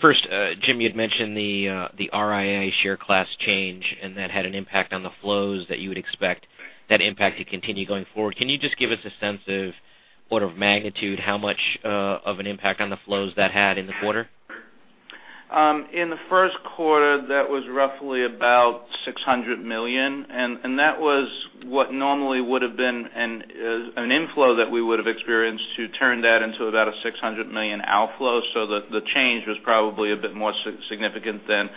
First, Jim, you'd mentioned the RIA share class change, that had an impact on the flows that you would expect that impact to continue going forward. Can you just give us a sense of order of magnitude, how much of an impact on the flows that had in the quarter? In the first quarter, that was roughly about $600 million, that was what normally would have been an inflow that we would have experienced to turn that into about a $600 million outflow. The change was probably a bit more significant than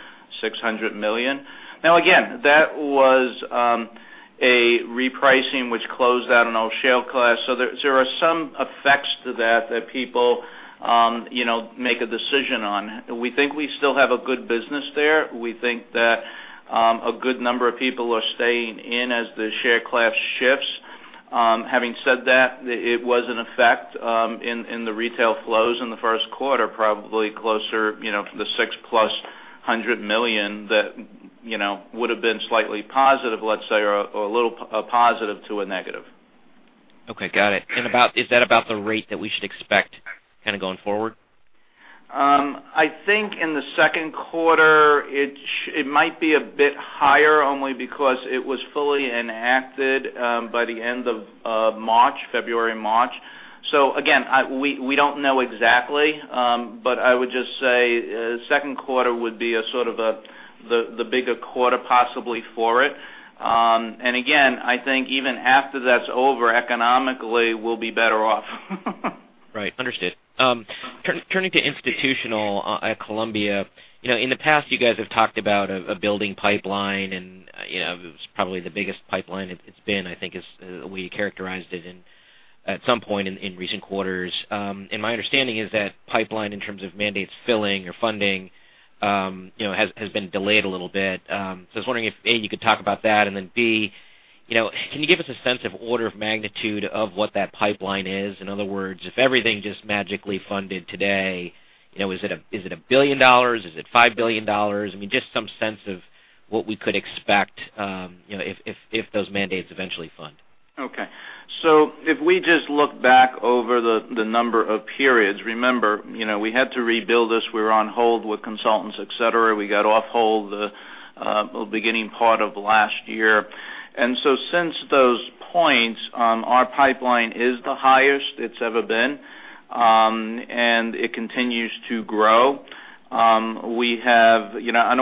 $600 million. Again, that was a repricing which closed out an old share class. There are some effects to that people make a decision on. We think we still have a good business there. We think that a good number of people are staying in as the share class shifts. Having said that, it was an effect in the retail flows in the first quarter, probably closer to the six-plus hundred million that would've been slightly positive, let's say, or a little positive to a negative. Okay. Got it. Is that about the rate that we should expect going forward? I think in the second quarter it might be a bit higher only because it was fully enacted by the end of March, February, March. Again, we don't know exactly. I would just say, second quarter would be the bigger quarter possibly for it. Again, I think even after that's over, economically, we'll be better off. Right. Understood. Turning to institutional at Columbia. In the past, you guys have talked about a building pipeline, it was probably the biggest pipeline it's been, I think, is the way you characterized it at some point in recent quarters. My understanding is that pipeline in terms of mandates filling or funding has been delayed a little bit. I was wondering if, A, you could talk about that, and then B, can you give us a sense of order of magnitude of what that pipeline is? In other words, if everything just magically funded today, is it $1 billion? Is it $5 billion? Just some sense of what we could expect if those mandates eventually fund. Okay. If we just look back over the number of periods, remember, we had to rebuild this. We were on hold with consultants, et cetera. We got off hold the beginning part of last year. Since those points, our pipeline is the highest it's ever been. It continues to grow. I don't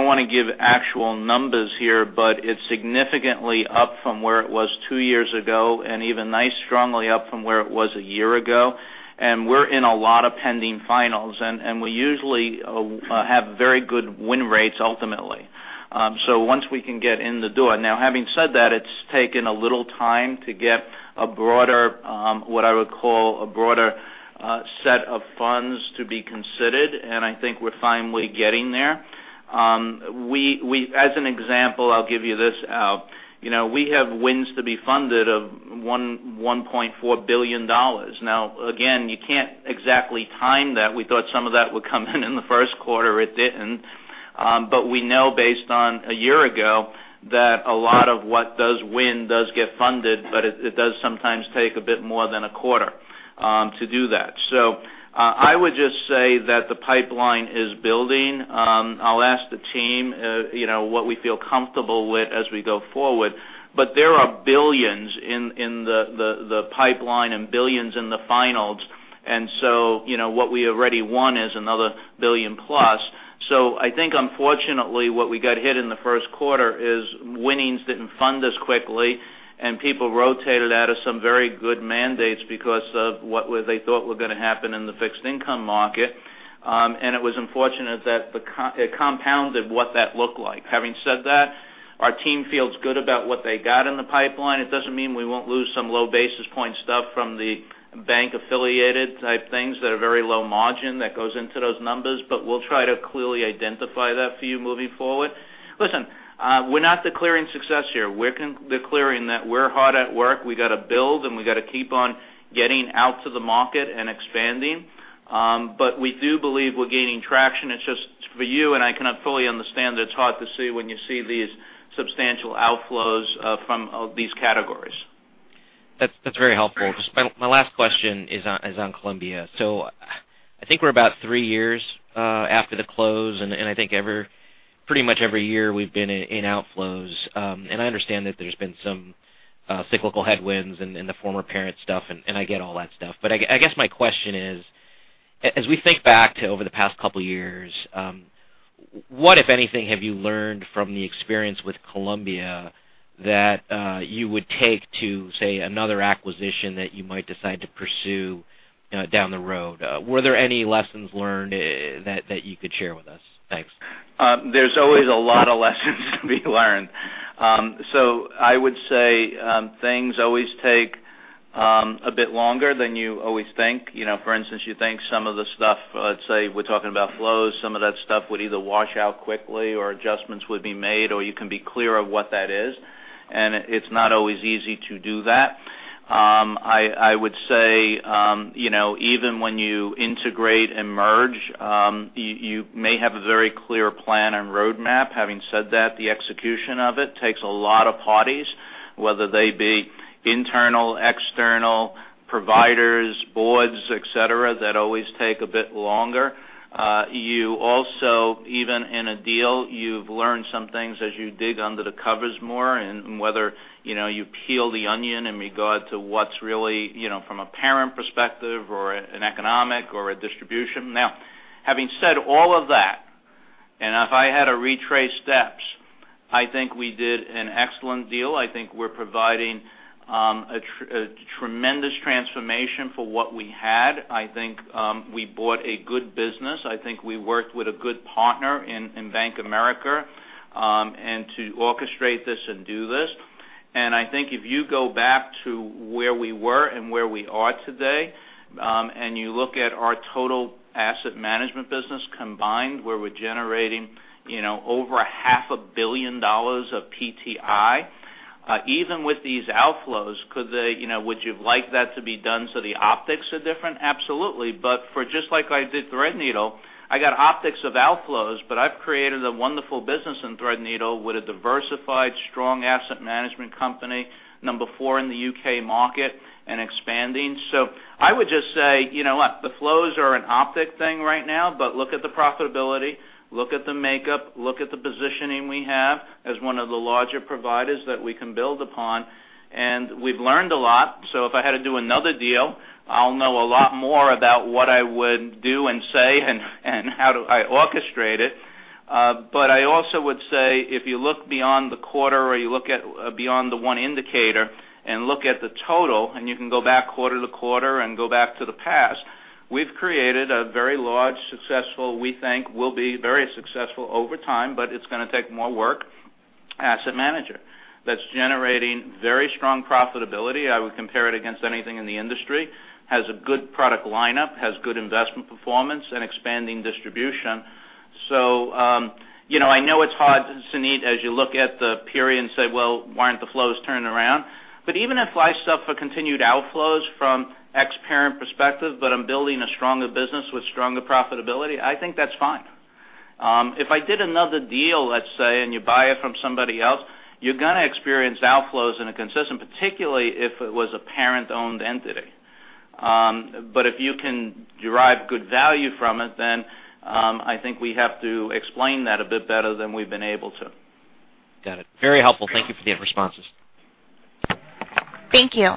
want to give actual numbers here, but it's significantly up from where it was 2 years ago, and even strongly up from where it was 1 year ago. We're in a lot of pending finals, and we usually have very good win rates ultimately. Once we can get in the door. Now having said that, it's taken a little time to get what I would call a broader set of funds to be considered, and I think we're finally getting there. As an example, I'll give you this. We have wins to be funded of $1.4 billion. Now, again, you can't exactly time that. We thought some of that would come in in the first quarter, it didn't. We know based on 1 year ago that a lot of what does win does get funded, but it does sometimes take a bit more than a quarter to do that. I would just say that the pipeline is building. I'll ask the team what we feel comfortable with as we go forward. There are billions in the pipeline and billions in the finals. What we already won is another billion-plus. I think unfortunately, what we got hit in the first quarter is winnings didn't fund as quickly, and people rotated out of some very good mandates because of what they thought were going to happen in the fixed income market. It was unfortunate that it compounded what that looked like. Having said that, our team feels good about what they got in the pipeline. It doesn't mean we won't lose some low basis point stuff from the bank affiliated type things that are very low margin that goes into those numbers, but we'll try to clearly identify that for you moving forward. Listen, we're not declaring success here. We're declaring that we're hard at work. We got to build, and we got to keep on getting out to the market and expanding. We do believe we're gaining traction. It's just for you, and I can fully understand that it's hard to see when you see these substantial outflows from these categories. That's very helpful. My last question is on Columbia. I think we're about 3 years after the close, and I think pretty much every year we've been in outflows. I understand that there's been some cyclical headwinds in the former parent stuff, and I get all that stuff. I guess my question is, as we think back to over the past couple of years, what, if anything, have you learned from the experience with Columbia that you would take to, say, another acquisition that you might decide to pursue down the road? Were there any lessons learned that you could share with us? Thanks. There's always a lot of lessons to be learned. I would say, things always take a bit longer than you always think. For instance, you think some of the stuff, let's say we're talking about flows, some of that stuff would either wash out quickly or adjustments would be made, or you can be clear of what that is. It's not always easy to do that. I would say, even when you integrate and merge, you may have a very clear plan and roadmap. Having said that, the execution of it takes a lot of parties, whether they be internal, external providers, boards, et cetera, that always take a bit longer. You also, even in a deal, you've learned some things as you dig under the covers more, and whether you peel the onion in regard to what's really from a parent perspective or an economic or a distribution. Now, having said all of that, if I had to retrace steps, I think we did an excellent deal. I think we're providing a tremendous transformation for what we had. I think we bought a good business. I think we worked with a good partner in Bank of America. To orchestrate this and do this. I think if you go back to where we were and where we are today, and you look at our total asset management business combined, where we're generating over a half a billion dollars of PTI. Even with these outflows, would you like that to be done so the optics are different? Absolutely. For just like I did Threadneedle, I got optics of outflows, but I've created a wonderful business in Threadneedle with a diversified strong asset management company, number 4 in the U.K. market and expanding. I would just say, you know what, the flows are an optic thing right now, but look at the profitability, look at the makeup, look at the positioning we have as one of the larger providers that we can build upon, and we've learned a lot. If I had to do another deal, I'll know a lot more about what I would do and say and how to I orchestrate it. I also would say, if you look beyond the quarter or you look beyond the one indicator and look at the total, and you can go back quarter-to-quarter and go back to the past, we've created a very large successful, we think will be very successful over time, but it's going to take more work, asset manager that's generating very strong profitability. I would compare it against anything in the industry. Has a good product lineup, has good investment performance, and expanding distribution. I know it's hard, Suneet, as you look at the period and say, "Well, why aren't the flows turning around?" Even if I suffer continued outflows from ex-parent perspective, but I'm building a stronger business with stronger profitability, I think that's fine. If I did another deal, let's say, and you buy it from somebody else, you're going to experience outflows in a consistent, particularly if it was a parent-owned entity. If you can derive good value from it, then I think we have to explain that a bit better than we've been able to. Got it. Very helpful. Thank you for the responses. Thank you.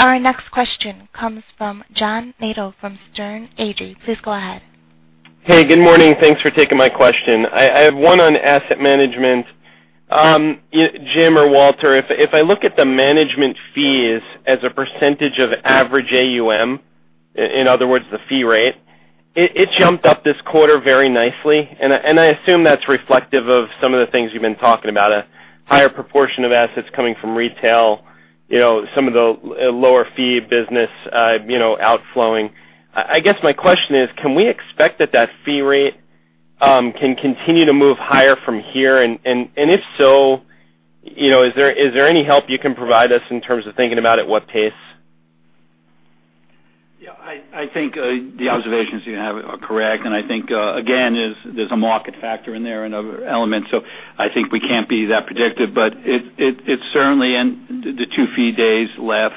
Our next question comes from John Nadel from Sterne Agee. Please go ahead. Hey, good morning. Thanks for taking my question. I have one on asset management. Jim or Walter, if I look at the management fees as a percentage of average AUM, in other words, the fee rate, it jumped up this quarter very nicely, and I assume that's reflective of some of the things you've been talking about, a higher proportion of assets coming from retail, some of the lower fee business outflowing. I guess my question is, can we expect that that fee rate can continue to move higher from here? If so, is there any help you can provide us in terms of thinking about at what pace? Yeah, I think the observations you have are correct. I think, again, there's a market factor in there and other elements. I think we can't be that predictive, but it's certainly in the 2 or 3 days left.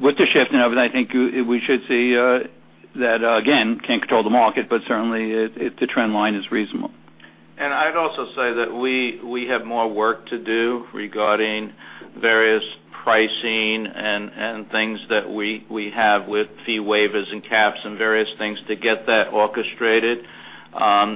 With the shifting of it, I think we should see that, again, can't control the market, but certainly the trend line is reasonable. I'd also say that we have more work to do regarding various pricing and things that we have with fee waivers and caps and various things to get that orchestrated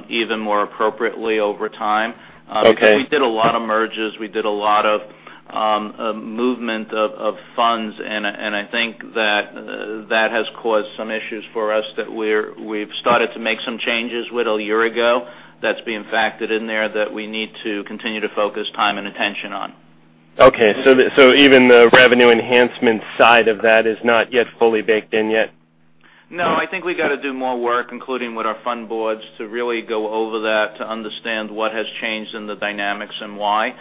even more appropriately over time. Okay. Because we did a lot of merges. We did a lot of movement of funds. I think that has caused some issues for us that we've started to make some changes with a year ago that's being factored in there that we need to continue to focus time and attention on. Okay, even the revenue enhancement side of that is not yet fully baked in yet? No, I think we got to do more work, including with our fund boards, to really go over that to understand what has changed in the dynamics and why.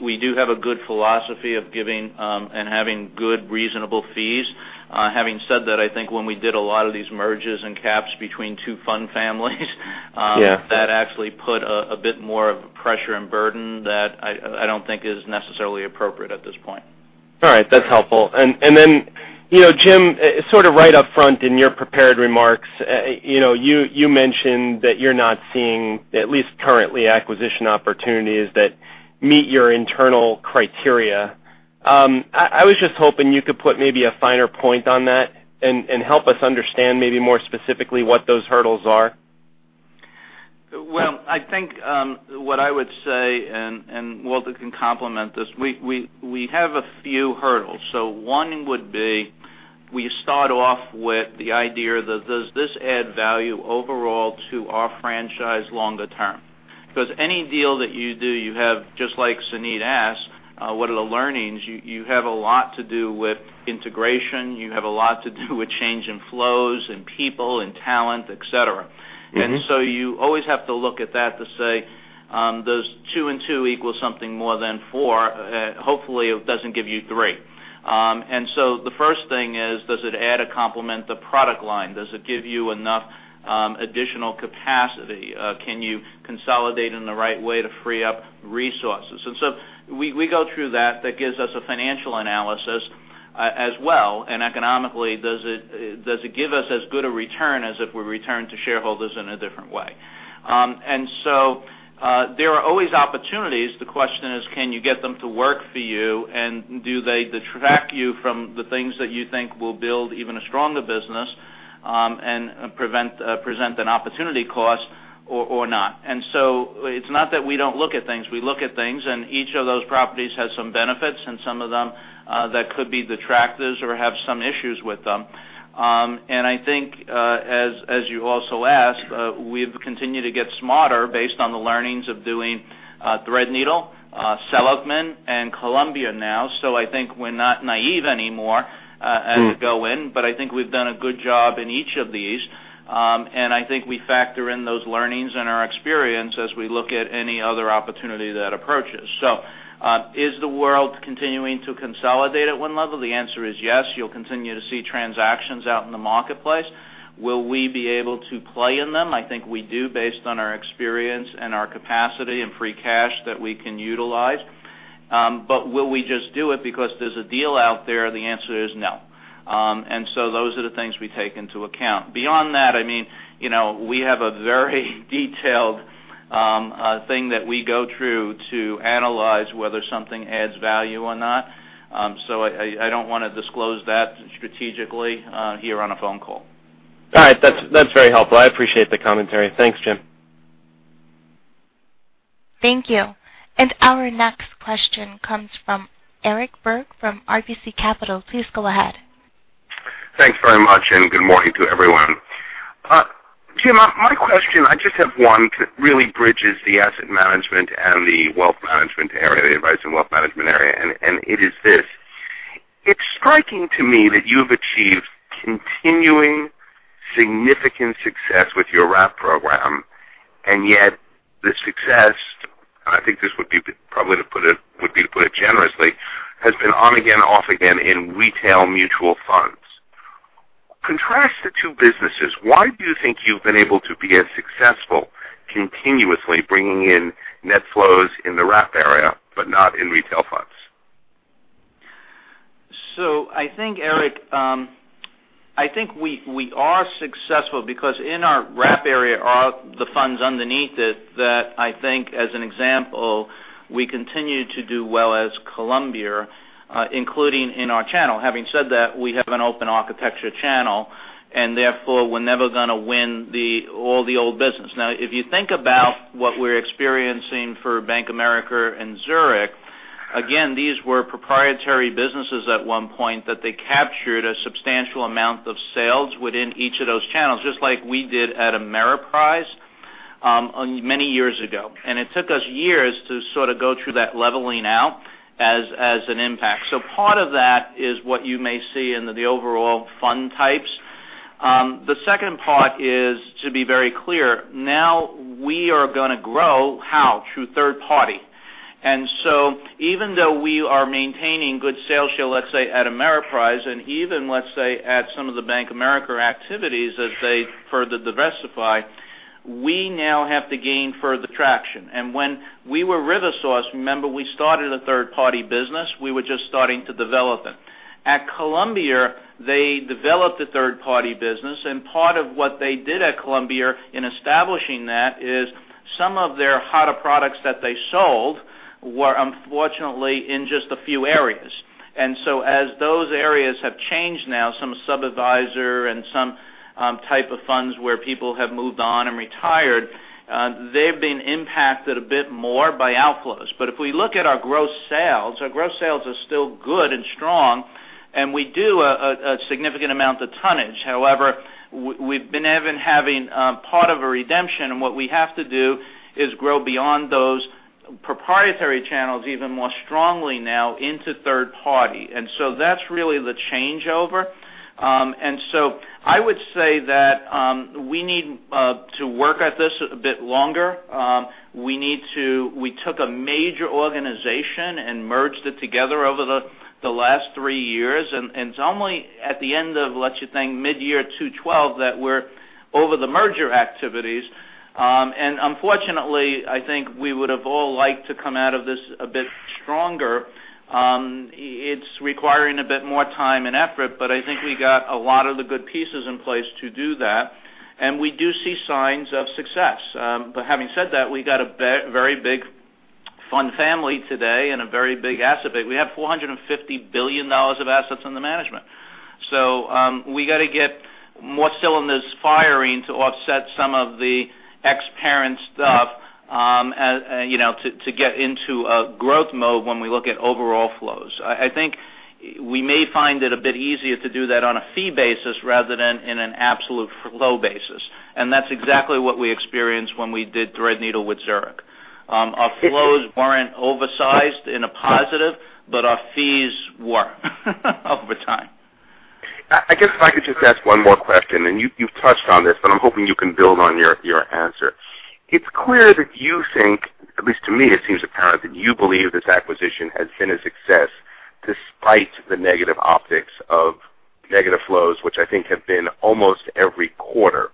We do have a good philosophy of giving and having good reasonable fees. Having said that, I think when we did a lot of these merges and caps between 2 fund families. Yeah that actually put a bit more of pressure and burden that I don't think is necessarily appropriate at this point. All right. That's helpful. Jim, sort of right up front in your prepared remarks, you mentioned that you're not seeing, at least currently, acquisition opportunities that meet your internal criteria. I was just hoping you could put maybe a finer point on that and help us understand maybe more specifically what those hurdles are. Well, I think what I would say, and Walter can complement this, we have a few hurdles. One would be we start off with the idea that does this add value overall to our franchise longer term? Because any deal that you do, you have just like Suneet Kamath asked, what are the learnings? You have a lot to do with integration. You have a lot to do with change in flows, in people, in talent, et cetera. You always have to look at that to say, does two and two equal something more than four? Hopefully, it doesn't give you three. The first thing is, does it add or complement the product line? Does it give you enough additional capacity? Can you consolidate in the right way to free up resources? We go through that. That gives us a financial analysis as well. Economically, does it give us as good a return as if we return to shareholders in a different way? There are always opportunities. The question is, can you get them to work for you? Do they detract you from the things that you think will build even a stronger business and present an opportunity cost or not? It's not that we don't look at things. We look at things. Each of those properties has some benefits, and some of them that could be detractors or have some issues with them. I think, as you also asked, we've continued to get smarter based on the learnings of doing Threadneedle, Seligman, and Columbia now. I think we're not naive anymore. To go in. I think we've done a good job in each of these. I think we factor in those learnings and our experience as we look at any other opportunity that approaches. Is the world continuing to consolidate at one level? The answer is yes. You'll continue to see transactions out in the marketplace. Will we be able to play in them? I think we do, based on our experience and our capacity and free cash that we can utilize. Will we just do it because there's a deal out there? The answer is no. Those are the things we take into account. Beyond that, we have a very detailed thing that we go through to analyze whether something adds value or not. I don't want to disclose that strategically here on a phone call. All right. That's very helpful. I appreciate the commentary. Thanks, Jim. Thank you. Our next question comes from Eric Berg from RBC Capital. Please go ahead. Thanks very much, and good morning to everyone. Jim, my question, I just have one, really bridges the asset management and the wealth management area, the Advice & Wealth Management area. It is this. It's striking to me that you've achieved continuing significant success with your wrap program, yet the success, and I think this would be to put it generously, has been on again, off again in retail mutual funds. Contrast the two businesses. Why do you think you've been able to be as successful continuously bringing in net flows in the wrap area but not in retail funds? I think, Eric, we are successful because in our wrap area are the funds underneath it that I think as an example, we continue to do well as Columbia, including in our channel. Having said that, we have an open architecture channel, therefore, we're never going to win all the old business. If you think about what we're experiencing for Bank of America and Zurich, again, these were proprietary businesses at one point that they captured a substantial amount of sales within each of those channels, just like we did at Ameriprise many years ago. It took us years to go through that leveling out as an impact. Part of that is what you may see in the overall fund types. The second part is, to be very clear, now we are going to grow. How? Through third party. Even though we are maintaining good sales here, let's say at Ameriprise and even, let's say, at some of the Bank of America activities as they further diversify, we now have to gain further traction. When we were RiverSource, remember, we started a third-party business. We were just starting to develop it. At Columbia, they developed a third-party business, part of what they did at Columbia in establishing that is some of their hotter products that they sold were unfortunately in just a few areas. As those areas have changed now, some sub-adviser and some type of funds where people have moved on and retired, they've been impacted a bit more by outflows. If we look at our gross sales, our gross sales are still good and strong, and we do a significant amount of tonnage. However, we've been having part of a redemption, what we have to do is grow beyond those proprietary channels even more strongly now into third party. That's really the changeover. I would say that we need to work at this a bit longer. We took a major organization and merged it together over the last three years, it's only at the end of, let's just say, mid-year 2012 that we're over the merger activities. Unfortunately, I think we would have all liked to come out of this a bit stronger. It's requiring a bit more time and effort, I think we got a lot of the good pieces in place to do that, we do see signs of success. Having said that, we got a very big fund family today and a very big asset base. We have $450 billion of assets under management. We got to get more cylinders firing to offset some of the ex-parent stuff to get into a growth mode when we look at overall flows. I think we may find it a bit easier to do that on a fee basis rather than in an absolute flow basis. That's exactly what we experienced when we did Threadneedle with Zurich. Our flows weren't oversized in a positive, but our fees were over time. I guess if I could just ask one more question, and you've touched on this, but I'm hoping you can build on your answer. It's clear that you think, at least to me, it seems apparent, that you believe this acquisition has been a success despite the negative optics of negative flows, which I think have been almost every quarter.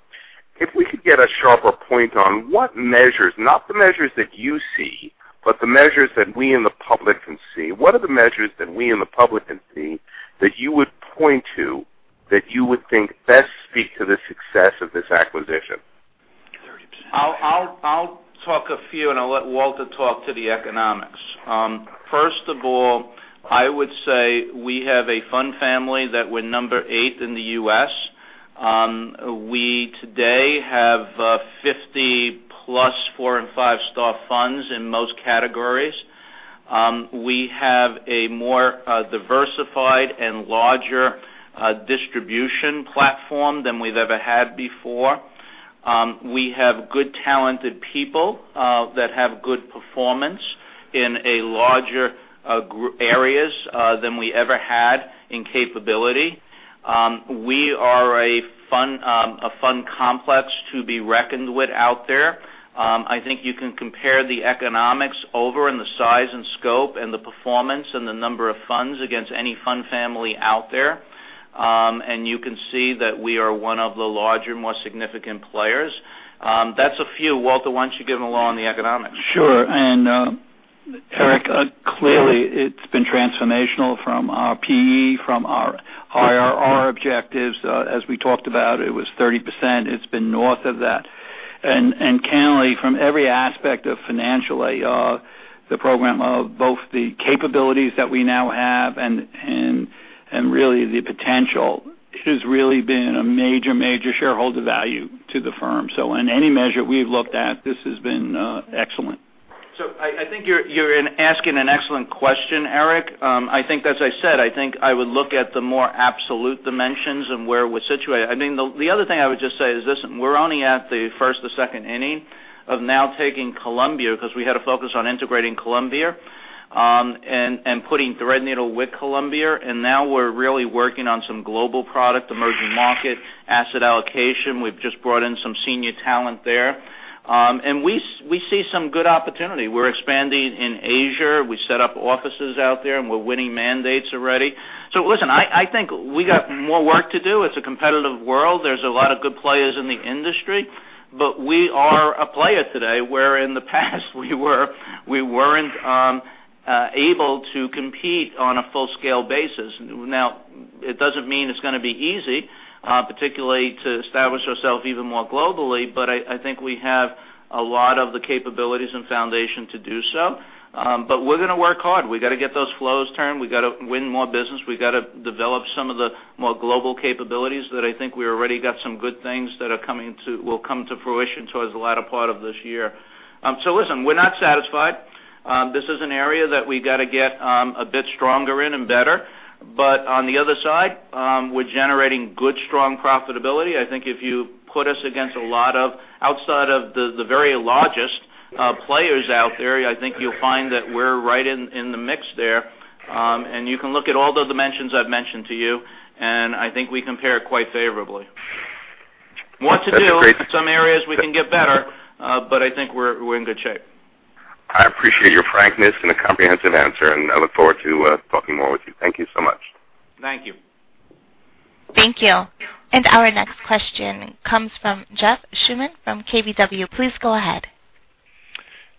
If we could get a sharper point on what measures, not the measures that you see, but the measures that we in the public can see. What are the measures that we in the public can see that you would point to that you would think best speak to the success of this acquisition? I'll talk a few. I'll let Walter talk to the economics. First of all, I would say we have a fund family that we're number 8 in the U.S. We today have 50 plus four and five-star funds in most categories. We have a more diversified and larger distribution platform than we've ever had before. We have good talented people that have good performance in larger areas than we ever had in capability. We are a fund complex to be reckoned with out there. I think you can compare the economics over in the size and scope and the performance and the number of funds against any fund family out there. You can see that we are one of the larger, more significant players. That's a few. Walter, why don't you give them a low on the economics? Sure. Eric, clearly it's been transformational from our P/E, from our IRR objectives. As we talked about, it was 30%, it's been north of that. Candidly, from every aspect of financial IRR, the program of both the capabilities that we now have and really the potential, it has really been a major shareholder value to the firm. In any measure we've looked at, this has been excellent. I think you're asking an excellent question, Eric. I think as I said, I think I would look at the more absolute dimensions and where we're situated. The other thing I would just say is this, we're only at the first or second inning of now taking Columbia because we had to focus on integrating Columbia, and putting Threadneedle with Columbia, and now we're really working on some global product, emerging market, asset allocation. We've just brought in some senior talent there. We see some good opportunity. We're expanding in Asia. We set up offices out there, and we're winning mandates already. Listen, I think we got more work to do. It's a competitive world. There's a lot of good players in the industry, but we are a player today, where in the past we weren't able to compete on a full-scale basis. It doesn't mean it's going to be easy, particularly to establish ourselves even more globally, but I think we have a lot of the capabilities and foundation to do so. We're going to work hard. We got to get those flows turned. We got to win more business. We got to develop some of the more global capabilities that I think we already got some good things that will come to fruition towards the latter part of this year. Listen, we're not satisfied. This is an area that we got to get a bit stronger in and better. On the other side, we're generating good, strong profitability. I think if you put us against a lot of outside of the very largest players out there, I think you'll find that we're right in the mix there. You can look at all the dimensions I've mentioned to you, and I think we compare quite favorably. What to do, some areas we can get better, but I think we're in good shape. I appreciate your frankness and a comprehensive answer, and I look forward to talking more with you. Thank you so much. Thank you. Thank you. Our next question comes from Jeff Schuman from KBW. Please go ahead.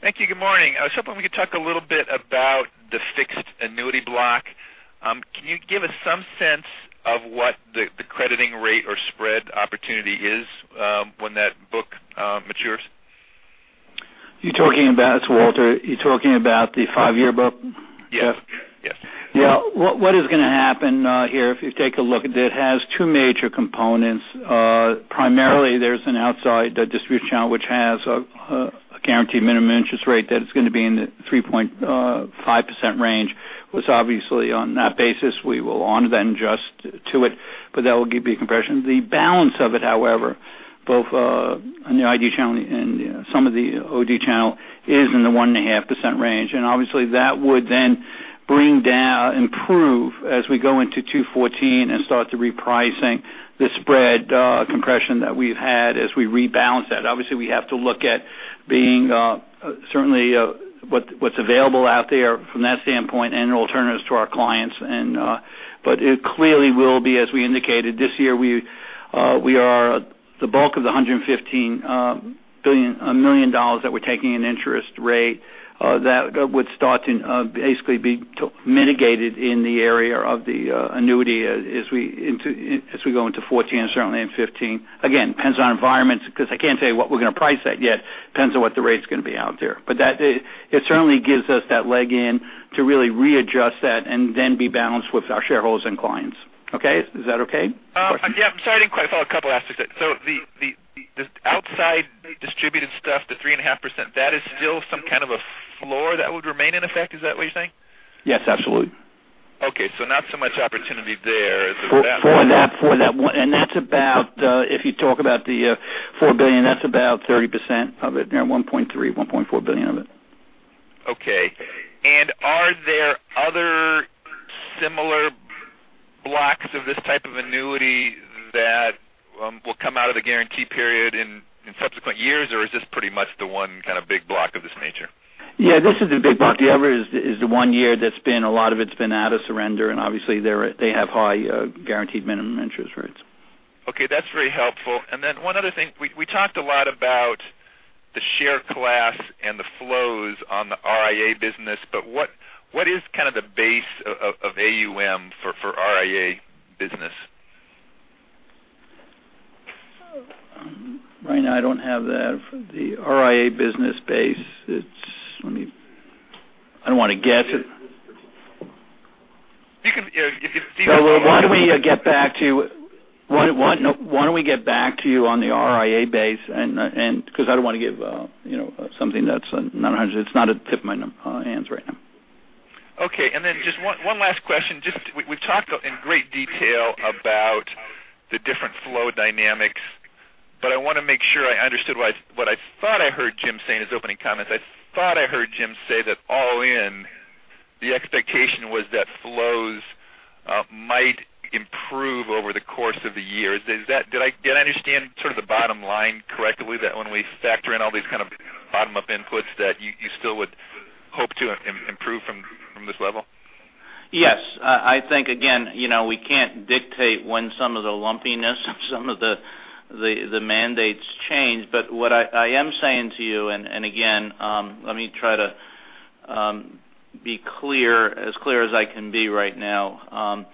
Thank you. Good morning. I was hoping we could talk a little bit about the fixed annuity block. Can you give us some sense of what the crediting rate or spread opportunity is when that book matures? You talking about, it's Walter, you talking about the five-year book, Jeff? Yes. Yeah. What is going to happen here, if you take a look, it has two major components. Primarily, there's an outside distribution channel, which has a guaranteed minimum interest rate that it's going to be in the 3.5% range. Obviously on that basis, we will honor then adjust to it, but that will give you a compression. The balance of it, however, both on the IG channel and some of the OG channel is in the 1.5% range. Obviously, that would then bring down, improve as we go into 2014 and start the repricing the spread compression that we've had as we rebalance that. Obviously, we have to look at being certainly what's available out there from that standpoint and alternatives to our clients. It clearly will be, as we indicated this year, we are the bulk of the $115 million that we're taking in interest rate. That would start to basically be mitigated in the area of the annuity as we go into 2014 and certainly in 2015. Again, depends on environments because I can't tell you what we're going to price that yet. Depends on what the rate's going to be out there. It certainly gives us that leg in to really readjust that and then be balanced with our shareholders and clients. Okay? Is that okay? Yeah. Sorry, I didn't quite follow. A couple aspects. The outside distributed stuff, the 3.5%, that is still some kind of a floor that would remain in effect. Is that what you're saying? Yes, absolutely. Okay. Not so much opportunity there. For that one. That's about, if you talk about the $4 billion, that's about 30% of it. $1.3, $1.4 billion of it. Okay. Are there other similar blocks of this type of annuity that will come out of the guarantee period in subsequent years? Or is this pretty much the one kind of big block of this nature? This is the big block. The other is the one year that's been, a lot of it's been out of surrender, and obviously they have high guaranteed minimum interest rates. Okay. That's very helpful. One other thing. We talked a lot about the share class and the flows on the RIA business, but what is kind of the base of AUM for RIA business? Right now, I don't have that. The RIA business base, I don't want to guess it. You can. Why don't we get back to you on the RIA base because I don't want to give something that's not 100. It's not at the tip of my hands right now. Okay. Just one last question. We've talked in great detail about the different flow dynamics, but I want to make sure I understood what I thought I heard Jim say in his opening comments. I thought I heard Jim say that all in, the expectation was that flows might improve over the course of the year. Did I understand the bottom line correctly? That when we factor in all these bottom-up inputs that you still would hope to improve from this level? Yes. I think, again, we can't dictate when some of the lumpiness of some of the mandates change. What I am saying to you, and again, let me try to be clear, as clear as I can be right now.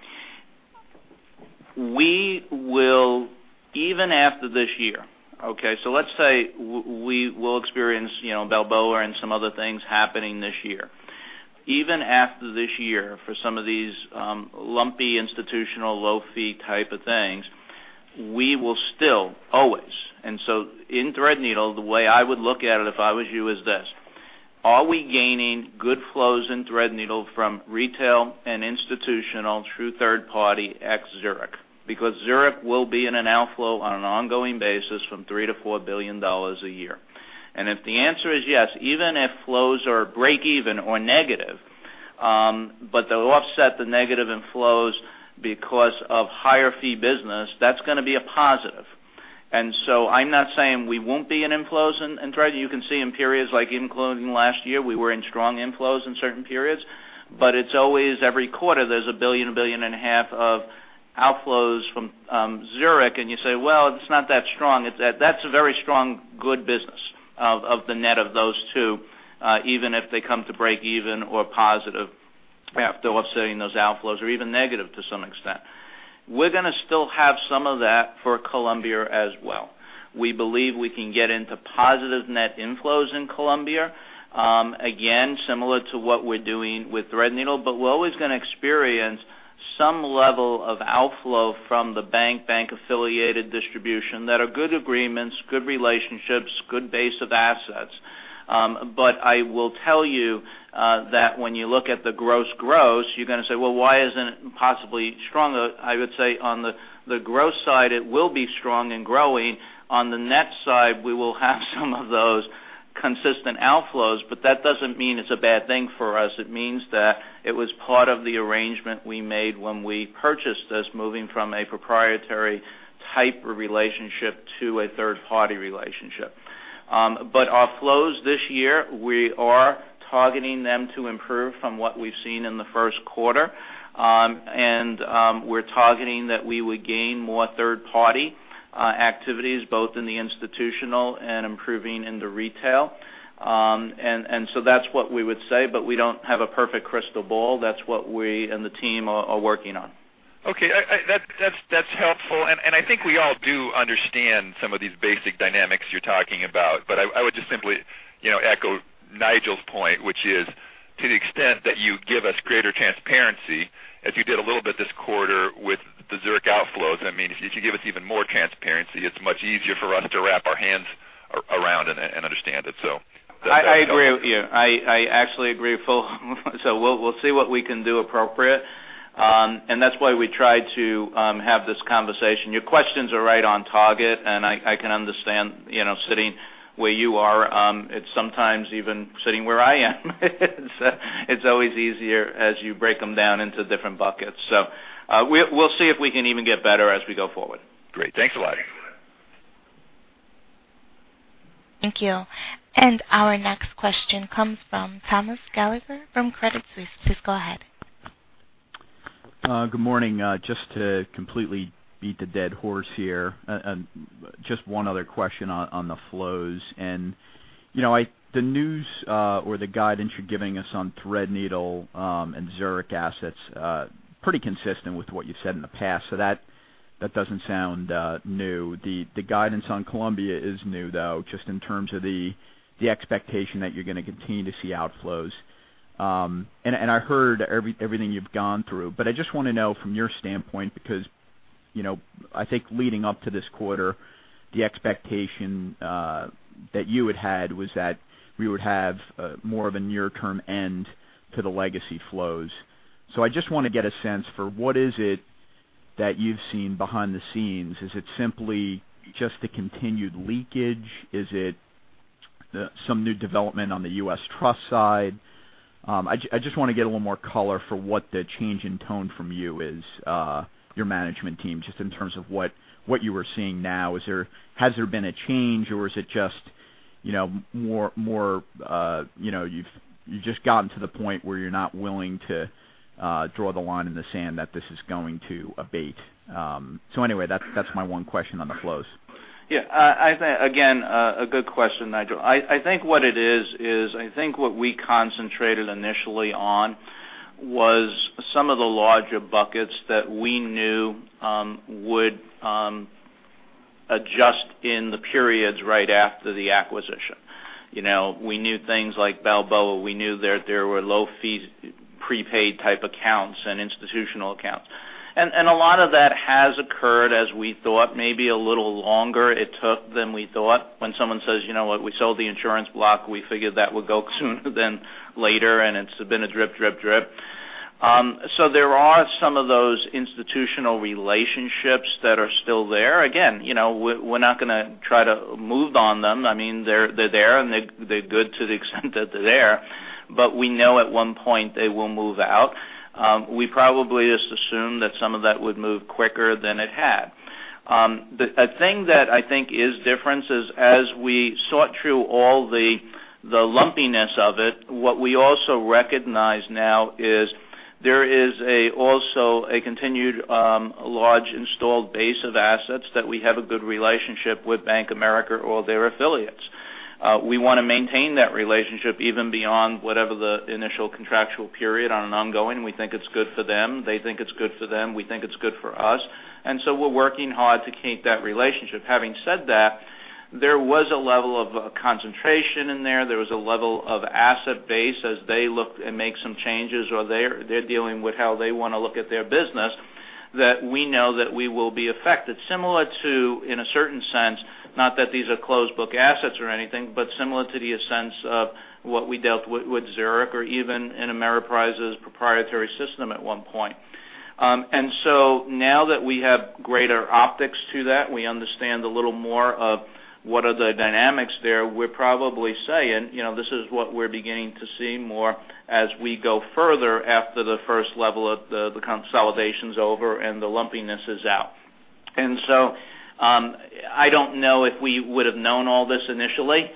We will, even after this year, okay. Let's say we will experience Balboa and some other things happening this year. Even after this year, for some of these lumpy institutional low-fee type of things, we will still always. In Threadneedle, the way I would look at it if I was you is this. Are we gaining good flows in Threadneedle from retail and institutional through third party ex-Zurich? Because Zurich will be in an outflow on an ongoing basis from $3 billion-$4 billion a year. If the answer is yes, even if flows are break even or negative, but they'll offset the negative in flows because of higher-fee business, that's going to be a positive. I'm not saying we won't be in inflows in Thread. You can see in periods like including last year, we were in strong inflows in certain periods. But it's always every quarter there's $1 billion, $1.5 billion of outflows from Zurich, and you say, "Well, it's not that strong." That's a very strong, good business of the net of those two, even if they come to break even or positive after offsetting those outflows, or even negative to some extent. We're going to still have some of that for Columbia as well. We believe we can get into positive net inflows in Columbia. Again, similar to what we're doing with Threadneedle. We're always going to experience some level of outflow from the bank-affiliated distribution that are good agreements, good relationships, good base of assets. I will tell you that when you look at the gross gross, you're going to say, "Well, why isn't it possibly stronger?" I would say on the gross side, it will be strong and growing. On the net side, we will have some of those consistent outflows, but that doesn't mean it's a bad thing for us. It means that it was part of the arrangement we made when we purchased this, moving from a proprietary type relationship to a third party relationship. Our flows this year, we are targeting them to improve from what we've seen in the first quarter. We're targeting that we would gain more third party activities, both in the institutional and improving in the retail. That's what we would say, but we don't have a perfect crystal ball. That's what we and the team are working on. Okay. That's helpful. I think we all do understand some of these basic dynamics you're talking about. I would just simply echo Nigel's point, which is to the extent that you give us greater transparency, as you did a little bit this quarter with the Zurich outflows. If you give us even more transparency, it's much easier for us to wrap our hands around and understand it. That's helpful. I agree with you. I actually agree fully. We'll see what we can do appropriate. That's why we try to have this conversation. Your questions are right on target, and I can understand sitting where you are. It's sometimes even sitting where I am. It's always easier as you break them down into different buckets. We'll see if we can even get better as we go forward. Great. Thanks a lot. Thank you. Our next question comes from Thomas Gallagher from Credit Suisse. Please go ahead. Good morning. Just to completely beat the dead horse here. Just one other question on the flows. The news, or the guidance you're giving us on Threadneedle and Zurich assets, pretty consistent with what you've said in the past. That doesn't sound new. The guidance on Columbia is new, though, just in terms of the expectation that you're going to continue to see outflows. I heard everything you've gone through. I just want to know from your standpoint, because I think leading up to this quarter, the expectation that you had had was that we would have more of a near term end to the legacy flows. I just want to get a sense for what is it that you've seen behind the scenes. Is it simply just the continued leakage? Is it some new development on the U.S. Trust side? I just want to get a little more color for what the change in tone from you is, your management team, just in terms of what you are seeing now. Has there been a change, or is it just you've just gotten to the point where you're not willing to draw the line in the sand that this is going to abate? Anyway, that's my one question on the flows. Yeah. Again, a good question, Nigel. I think what it is, I think what we concentrated initially on was some of the larger buckets that we knew would adjust in the periods right after the acquisition. We knew things like Balboa. We knew that there were low fee prepaid type accounts and institutional accounts. A lot of that has occurred as we thought. Maybe a little longer it took than we thought. When someone says, "You know what? We sold the insurance block," we figured that would go sooner than later, and it's been a drip. There are some of those institutional relationships that are still there. Again, we're not going to try to move on them. They're there, and they're good to the extent that they're there. We know at one point they will move out. We probably just assumed that some of that would move quicker than it had. The thing that I think is different is as we sort through all the lumpiness of it, what we also recognize now is there is also a continued large installed base of assets that we have a good relationship with Bank of America or their affiliates. We want to maintain that relationship even beyond whatever the initial contractual period on an ongoing. We think it's good for them. They think it's good for them. We think it's good for us. We're working hard to keep that relationship. Having said that, there was a level of concentration in there. There was a level of asset base as they look and make some changes, or they're dealing with how they want to look at their business, that we know that we will be affected. Similar to, in a certain sense, not that these are closed book assets or anything, but similar to the essence of what we dealt with Zurich or even in Ameriprise's proprietary system at one point. Now that we have greater optics to that, we understand a little more of what are the dynamics there. We're probably saying, this is what we're beginning to see more as we go further after the first level of the consolidation's over and the lumpiness is out. I don't know if we would've known all this initially.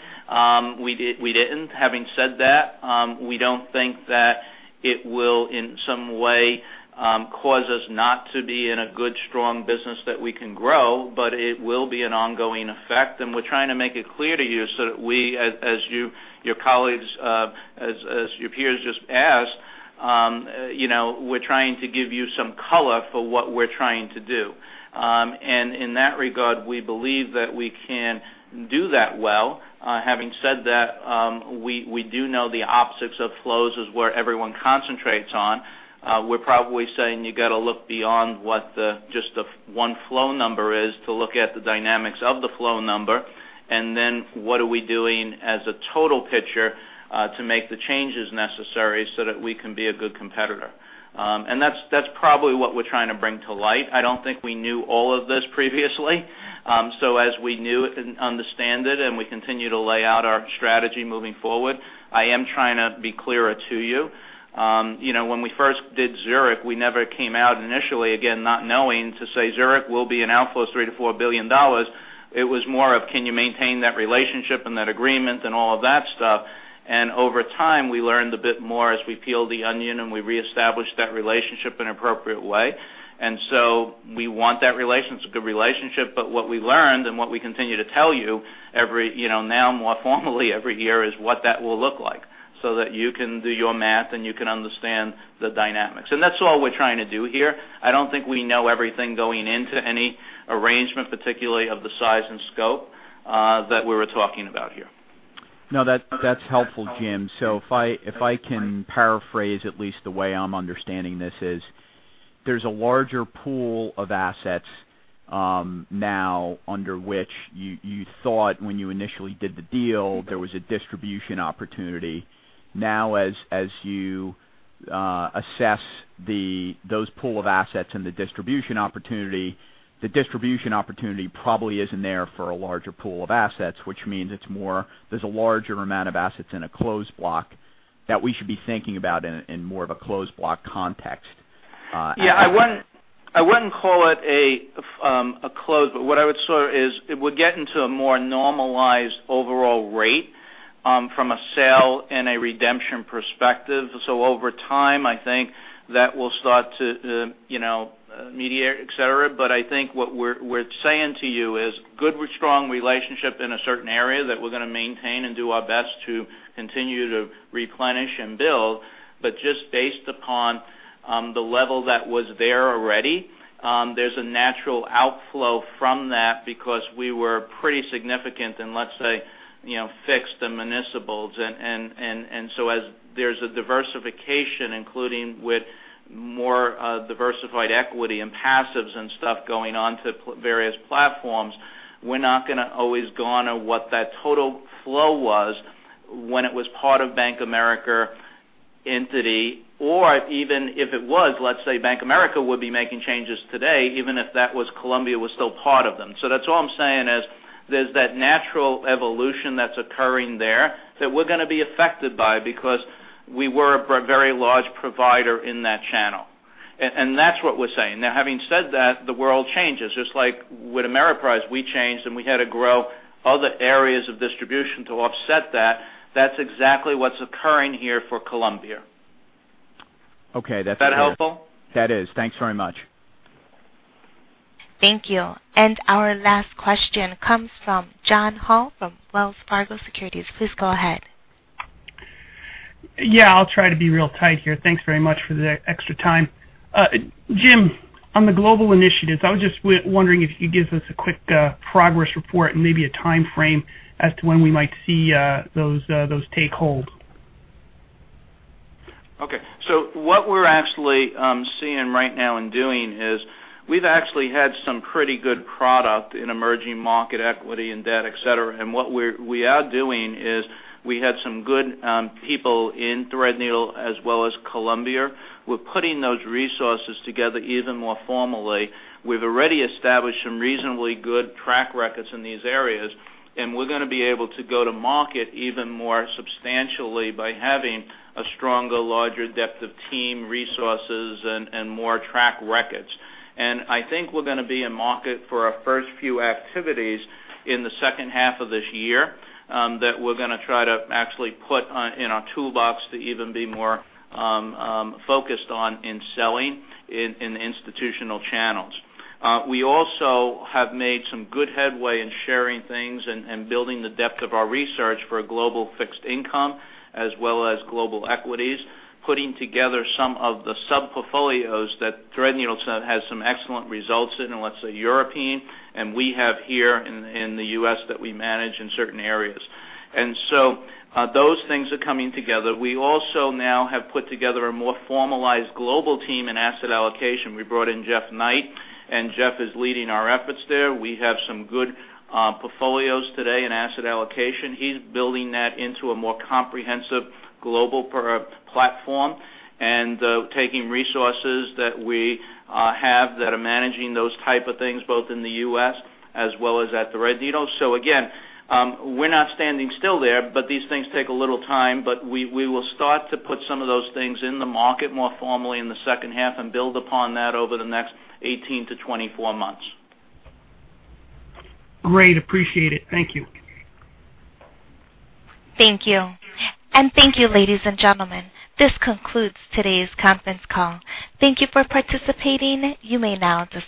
We didn't. Having said that, we don't think that it will, in some way, cause us not to be in a good, strong business that we can grow, but it will be an ongoing effect, and we're trying to make it clear to you so that we, as your peers just asked, we're trying to give you some color for what we're trying to do. In that regard, we believe that we can do that well. Having said that, we do know the opposites of flows is where everyone concentrates on. We're probably saying you got to look beyond what just the one flow number is to look at the dynamics of the flow number, and then what are we doing as a total picture, to make the changes necessary so that we can be a good competitor. That's probably what we're trying to bring to light. I don't think we knew all of this previously. As we knew it and understand it, and we continue to lay out our strategy moving forward, I am trying to be clearer to you. When we first did Zurich, we never came out initially, again, not knowing to say Zurich will be an outflow of $3 billion-$4 billion. It was more of can you maintain that relationship and that agreement and all of that stuff. Over time, we learned a bit more as we peeled the onion, and we reestablished that relationship in an appropriate way. We want that good relationship, but what we learned and what we continue to tell you now more formally every year is what that will look like so that you can do your math and you can understand the dynamics. That's all we're trying to do here. I don't think we know everything going into any arrangement, particularly of the size and scope, that we're talking about here. That's helpful, Jim. If I can paraphrase at least the way I'm understanding this is, there's a larger pool of assets now under which you thought when you initially did the deal, there was a distribution opportunity. Now, as you assess those pool of assets and the distribution opportunity, the distribution opportunity probably isn't there for a larger pool of assets, which means there's a larger amount of assets in a closed block that we should be thinking about in more of a closed block context. Yeah. I wouldn't call it a closed, but what I would say is it would get into a more normalized overall rate from a sale and a redemption perspective. Over time, I think that will start to mediate, et cetera. I think what we're saying to you is good with strong relationship in a certain area that we're going to maintain and do our best to continue to replenish and build, but just based upon the level that was there already, there's a natural outflow from that because we were pretty significant in, let's say, fixed and municipals. As there's a diversification, including with more diversified equity and passives and stuff going on to various platforms, we're not going to always go on to what that total flow was when it was part of Bank of America entity, or even if it was, let's say Bank America would be making changes today, even if that was Columbia was still part of them. That's all I'm saying is there's that natural evolution that's occurring there that we're going to be affected by because we were a very large provider in that channel. That's what we're saying. Now, having said that, the world changes. Just like with Ameriprise, we changed, and we had to grow other areas of distribution to offset that. That's exactly what's occurring here for Columbia. Okay. That's very good. Is that helpful? That is. Thanks very much. Thank you. Our last question comes from John Hall from Wells Fargo Securities. Please go ahead. Yeah, I'll try to be real tight here. Thanks very much for the extra time. Jim, on the global initiatives, I was just wondering if you could give us a quick progress report and maybe a timeframe as to when we might see those take hold. Okay. What we're actually seeing right now and doing is we've actually had some pretty good product in emerging market equity and debt, et cetera. What we are doing is we had some good people in Threadneedle as well as Columbia. We're putting those resources together even more formally. We've already established some reasonably good track records in these areas, we're going to be able to go to market even more substantially by having a stronger, larger depth of team resources and more track records. I think we're going to be in market for our first few activities in the second half of this year that we're going to try to actually put in our toolbox to even be more focused on in selling in institutional channels. We also have made some good headway in sharing things and building the depth of our research for global fixed income as well as global equities, putting together some of the sub-portfolios that Threadneedle has had some excellent results in, let's say European, and we have here in the U.S. that we manage in certain areas. Those things are coming together. We also now have put together a more formalized global team in asset allocation. We brought in Jeff Knight, Jeff is leading our efforts there. We have some good portfolios today in asset allocation. He's building that into a more comprehensive global platform and taking resources that we have that are managing those type of things, both in the U.S. as well as at Threadneedle. Again, we're not standing still there, but these things take a little time. We will start to put some of those things in the market more formally in the second half and build upon that over the next 18-24 months. Great. Appreciate it. Thank you. Thank you. Thank you, ladies and gentlemen. This concludes today's conference call. Thank you for participating. You may now disconnect.